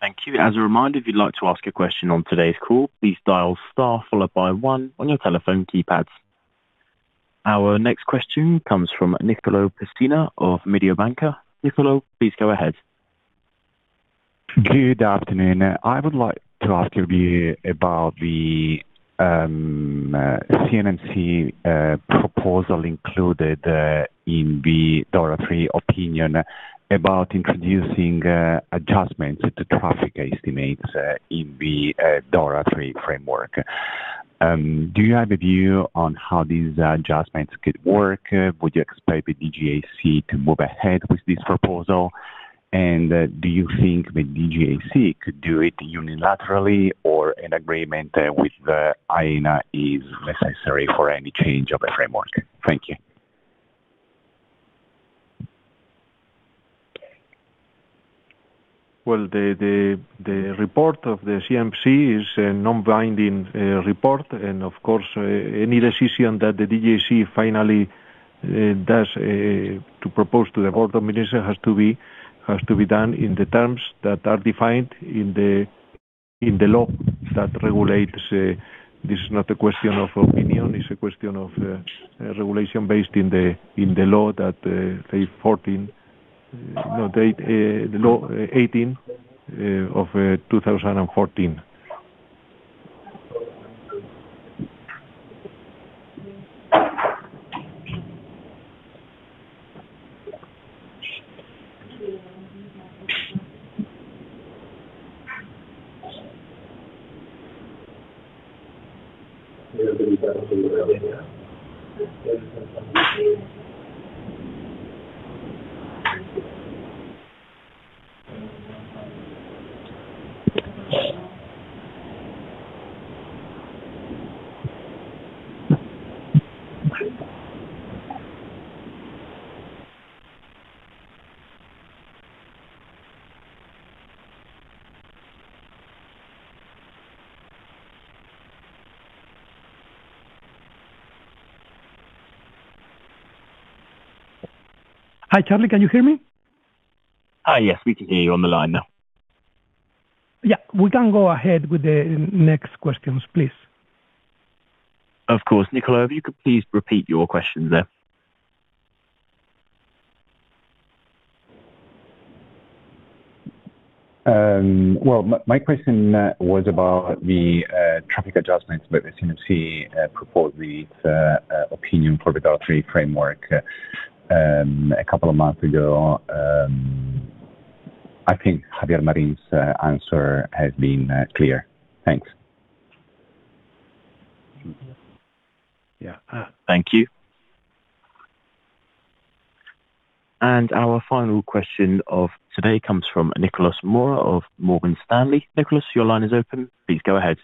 Speaker 4: Thank you. As a reminder, if you'd like to ask a question on today's call, please dial star followed by one on your telephone keypads. Our next question comes from Nicolò Pessina of Mediobanca. Nicolò, please go ahead.
Speaker 14: Good afternoon. I would like to ask your view about the CNMC proposal included in the DORA III opinion about introducing adjustments to traffic estimates in the DORA III framework. Do you have a view on how these adjustments could work? Would you expect the DGAC to move ahead with this proposal? Do you think the DGAC could do it unilaterally or an agreement with the Aena is necessary for any change of the framework? Thank you.
Speaker 2: Well, the report of the CNMC is a non-binding report. Of course, any decision that the DGAC finally does to propose to the Council of Ministers has to be done in the terms that are defined in the law that regulates This is not a question of opinion, it's a question of regulation based in the Law 18 of 2014.
Speaker 3: Hi, Charlie, can you hear me?
Speaker 4: Yes, we can hear you on the line now.
Speaker 3: Yeah, we can go ahead with the next questions, please.
Speaker 4: Of course. Nicolò, if you could please repeat your questions there.
Speaker 14: Well, my question was about the traffic adjustments that the CNMC proposed the opinion for the DORA III framework a couple of months ago. I think Javier Marín's answer has been clear. Thanks.
Speaker 4: Yeah. Thank you. Our final question of today comes from Nicolas Mora of Morgan Stanley. Nicolas, your line is open. Please go ahead.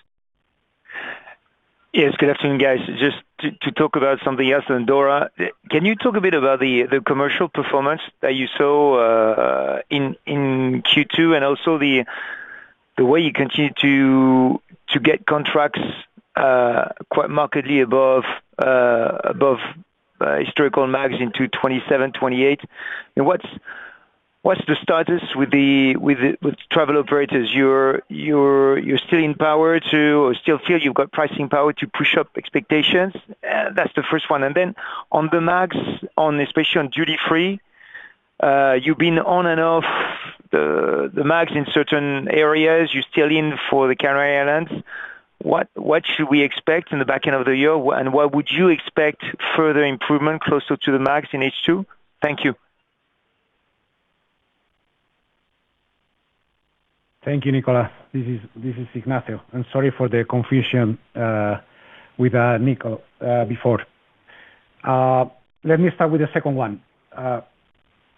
Speaker 15: Yes, good afternoon, guys. Just to talk about something else than DORA. Can you talk a bit about the commercial performance that you saw in Q2 and also the way you continue to get contracts quite markedly above historical MAGs in 2027, 2028? What's the status with travel operators? You're still in power to, or still feel you've got pricing power to push up expectations? That's the first one. On the MAGs, especially on duty-free, you've been on and off the MAGs in certain areas. You're still in for the Canary Islands. What should we expect in the back end of the year? What would you expect further improvement closer to the MAGs in H2? Thank you.
Speaker 3: Thank you, Nicolas. This is Ignacio. Sorry for the confusion with Nico before. Let me start with the second one.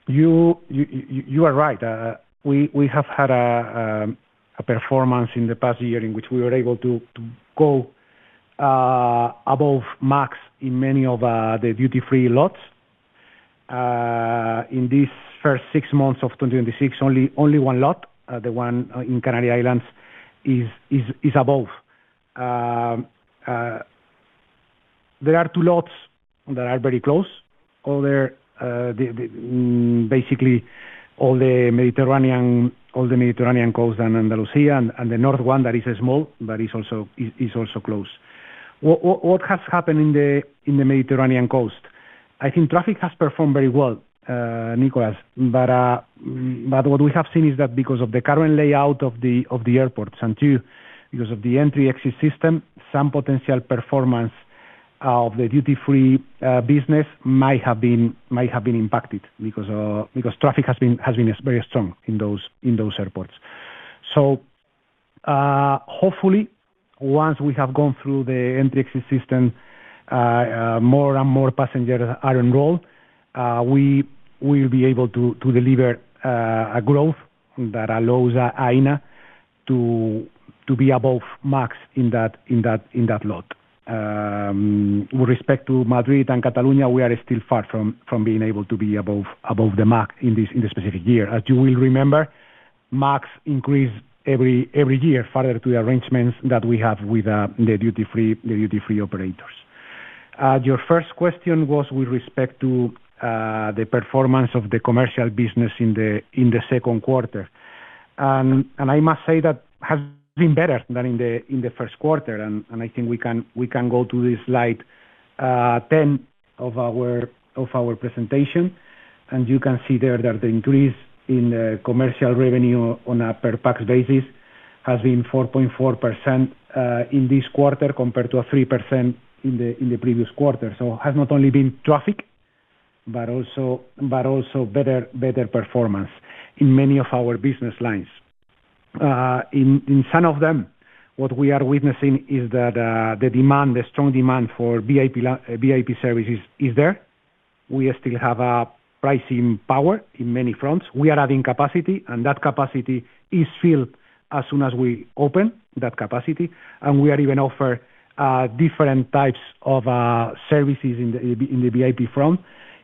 Speaker 3: You are right. We have had a performance in the past year in which we were able to go above MAGs in many of the duty-free lots. In these first six months of 2026, only one lot, the one in Canary Islands, is above. There are two lots that are very close. Basically, all the Mediterranean coast and Andalusia and the north one that is small, but is also close. What has happened in the Mediterranean coast? I think traffic has performed very well, Nicolas. What we have seen is that because of the current layout of the airports and two, because of the Entry/Exit System, some potential performance of the duty-free business might have been impacted because traffic has been very strong in those airports. Hopefully once we have gone through the Entry/Exit System, more and more passengers are enrolled, we will be able to deliver a growth that allows Aena to be above MAGs in that lot. With respect to Madrid and Catalonia, we are still far from being able to be above the MAGs in this specific year. As you will remember, MAGs increase every year further to the arrangements that we have with the duty-free operators. Your first question was with respect to the performance of the commercial business in the second quarter. I must say that has been better than in the first quarter. I think we can go to the slide 10 of our presentation, and you can see there that the increase in the commercial revenue on a per pax basis has been 4.4% in this quarter compared to 3% in the previous quarter. Has not only been traffic, but also better performance in many of our business lines. In some of them, what we are witnessing is that the strong demand for VIP services is there. We still have pricing power in many fronts. We are adding capacity, and that capacity is filled as soon as we open that capacity. We are even offer different types of services in the VIP front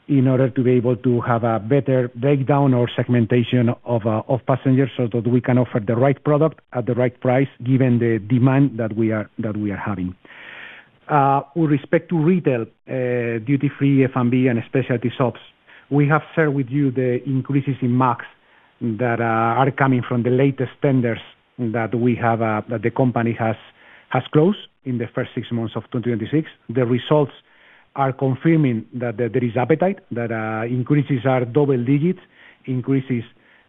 Speaker 3: in order to be able to have a better breakdown or segmentation of passengers so that we can offer the right product at the right price given the demand that we are having. With respect to retail, duty free, F&B, and specialty shops, we have shared with you the increases in MAGs that are coming from the latest tenders that the company has closed in the first six months of 2026. The results are confirming that there is appetite, that increases are double-digit increases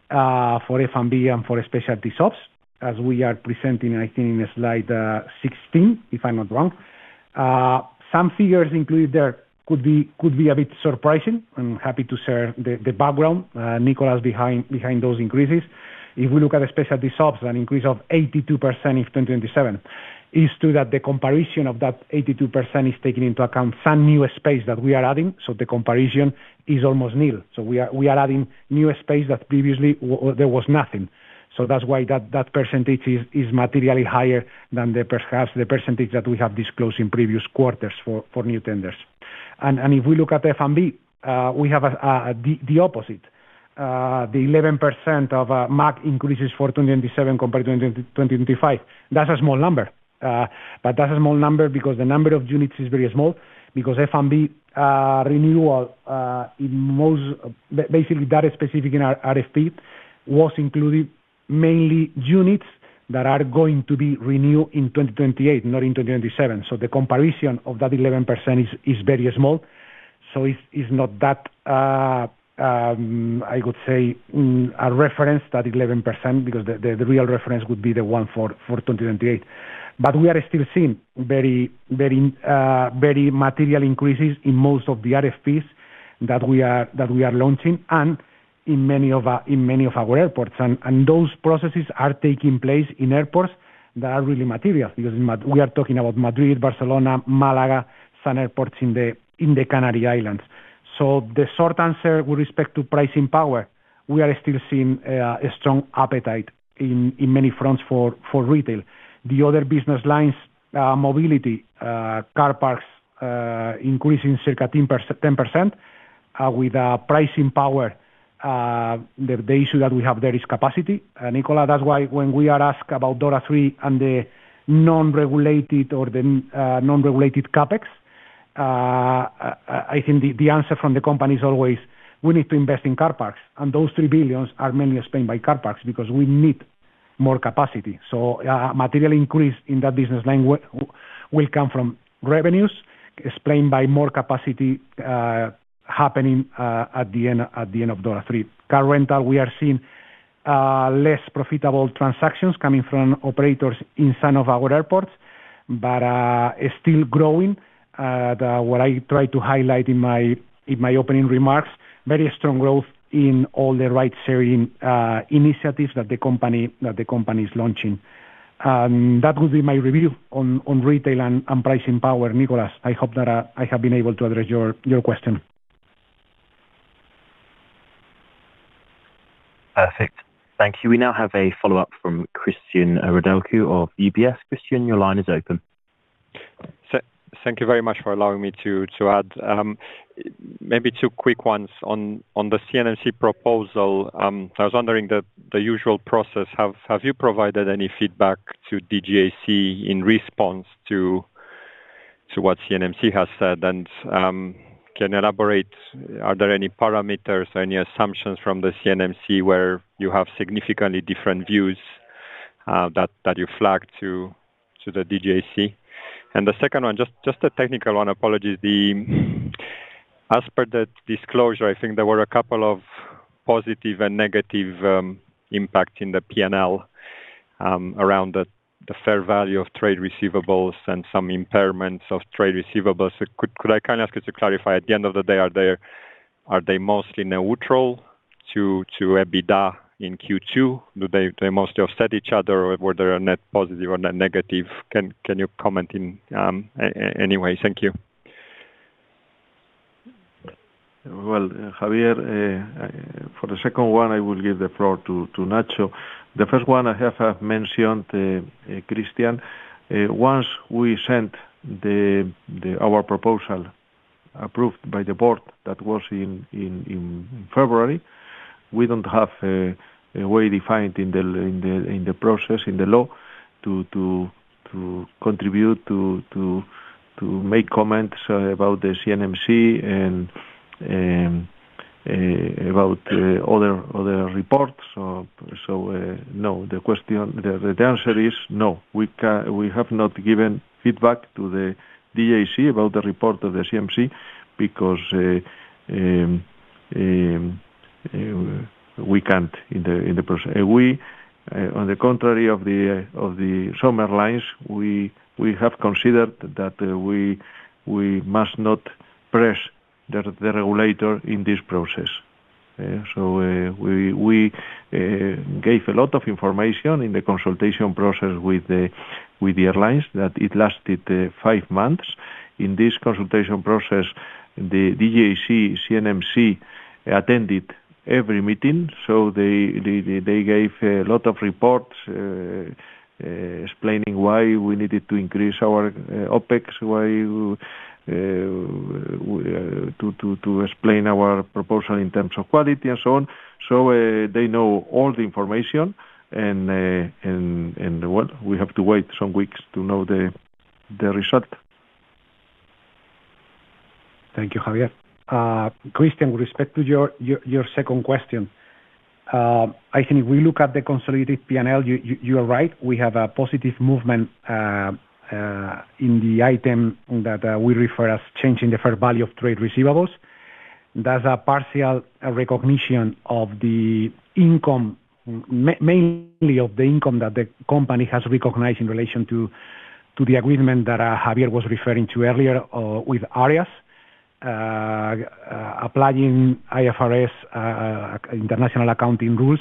Speaker 3: for F&B and for specialty shops, as we are presenting, I think, in slide 16, if I'm not wrong. Some figures included there could be a bit surprising. I'm happy to share the background, Nicolas, behind those increases. If we look at specialty shops, an increase of 82% in 2027 is to that the comparison of that 82% is taking into account some new space that we are adding. The comparison is almost nil. We are adding new space that previously there was nothing. That's why that percentage is materially higher than perhaps the percentage that we have disclosed in previous quarters for new tenders. If we look at F&B, we have the opposite. The 11% of max increases for 2027 compared to 2025, that's a small number. That's a small number because the number of units is very small because F&B renewal, basically that specific RFP was included mainly units that are going to be renewed in 2028, not in 2027. The comparison of that 11% is very small. It's not that, I could say, a reference, that 11%, because the real reference would be the one for 2028. We are still seeing very material increases in most of the RFPs that we are launching and in many of our airports. Those processes are taking place in airports that are really material because we are talking about Madrid, Barcelona, Malaga, some airports in the Canary Islands. The short answer with respect to pricing power, we are still seeing a strong appetite in many fronts for retail. The other business lines, mobility, car parks increasing circa 10% with pricing power. The issue that we have there is capacity. Nicolas, that's why when we are asked about DORA III and the non-regulated CapEx, I think the answer from the company is always we need to invest in car parks, and those 3 billion are mainly explained by car parks because we need more capacity. A material increase in that business line will come from revenues explained by more capacity happening at the end of DORA III. Car rental, we are seeing less profitable transactions coming from operators inside of our airports, but still growing. What I tried to highlight in my opening remarks, very strong growth in all the right sharing initiatives that the company is launching. That would be my review on retail and pricing power, Nicolas. I hope that I have been able to address your question.
Speaker 4: Perfect. Thank you. We now have a follow-up from Cristian Nedelcu of UBS. Cristian, your line is open.
Speaker 6: Thank you very much for allowing me to add maybe two quick ones on the CNMC proposal. I was wondering the usual process. Have you provided any feedback to DGAC in response to what CNMC has said? Can you elaborate, are there any parameters, any assumptions from the CNMC where you have significantly different views that you flagged to the DGAC? The second one, just a technical one. Apologies. As per the disclosure, I think there were a couple of positive and negative impacts in the P&L around the fair value of trade receivables and some impairments of trade receivables. Could I kindly ask you to clarify, at the end of the day, are they mostly neutral to EBITDA in Q2? Do they mostly offset each other, or were there a net positive or net negative? Can you comment in any way? Thank you.
Speaker 2: Javier, for the second one, I will give the floor to Ignacio. The first one I have mentioned, Cristian. Once we sent our proposal approved by the board, that was in February, we don't have a way defined in the process, in the law, to contribute to make comments about the CNMC and about other reports. No. The answer is no. We have not given feedback to the DGAC about the report of the CNMC because we can't in the process. On the contrary of some airlines, we have considered that we must not press the regulator in this process. We gave a lot of information in the consultation process with the airlines that it lasted five months. In this consultation process, the DGAC, CNMC attended every meeting, they gave a lot of reports explaining why we needed to increase our OpEx, to explain our proportion in terms of quality and so on. They know all the information, and we have to wait some weeks to know the result.
Speaker 3: Thank you, Javier. Cristian, with respect to your second question, I think if we look at the consolidated P&L, you are right, we have a positive movement in the item that we refer as change in the fair value of trade receivables. That's a partial recognition of the income, mainly of the income that the company has recognized in relation to the agreement that Javier was referring to earlier with Areas. Applying IFRS, international accounting rules,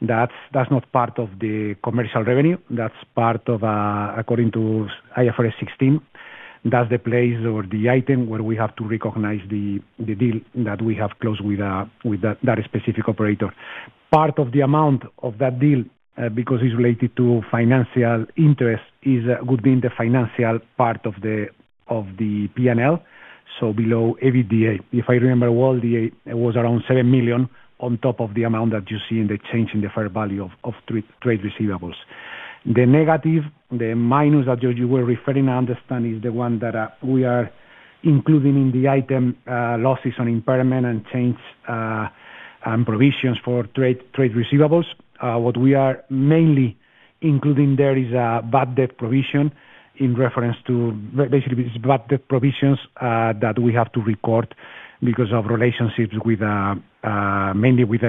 Speaker 3: that's not part of the commercial revenue, that's part of according to IFRS 16. That's the place or the item where we have to recognize the deal that we have closed with that specific operator. Part of the amount of that deal, because it's related to financial interest, would be in the financial part of the P&L, below EBITDA. If I remember well, it was around 7 million on top of the amount that you see in the change in the fair value of trade receivables. The negative, the minus that you were referring, I understand, is the one that we are including in the item, losses on impairment and change, and provisions for trade receivables. What we are mainly including there is bad debt provision in reference to bad debt provisions that we have to record because of relationships mainly with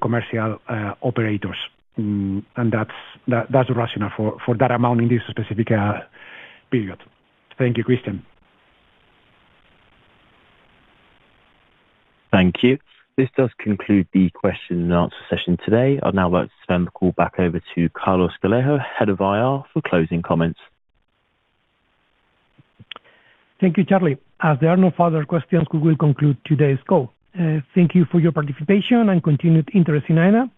Speaker 3: commercial operators. That's the rationale for that amount in this specific period. Thank you, Cristian.
Speaker 4: Thank you. This does conclude the question and answer session today. I'd now like to turn the call back over to Carlos Gallego, Head of IR, for closing comments.
Speaker 1: Thank you, Charlie. There are no further questions, we will conclude today's call. Thank you for your participation and continued interest in Aena.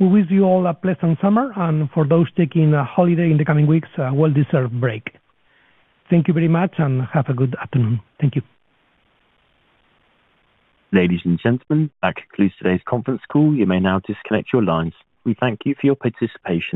Speaker 1: We wish you all a pleasant summer, and for those taking a holiday in the coming weeks, a well-deserved break. Thank you very much, have a good afternoon. Thank you.
Speaker 4: Ladies and gentlemen, that concludes today's conference call. You may now disconnect your lines. We thank you for your participation.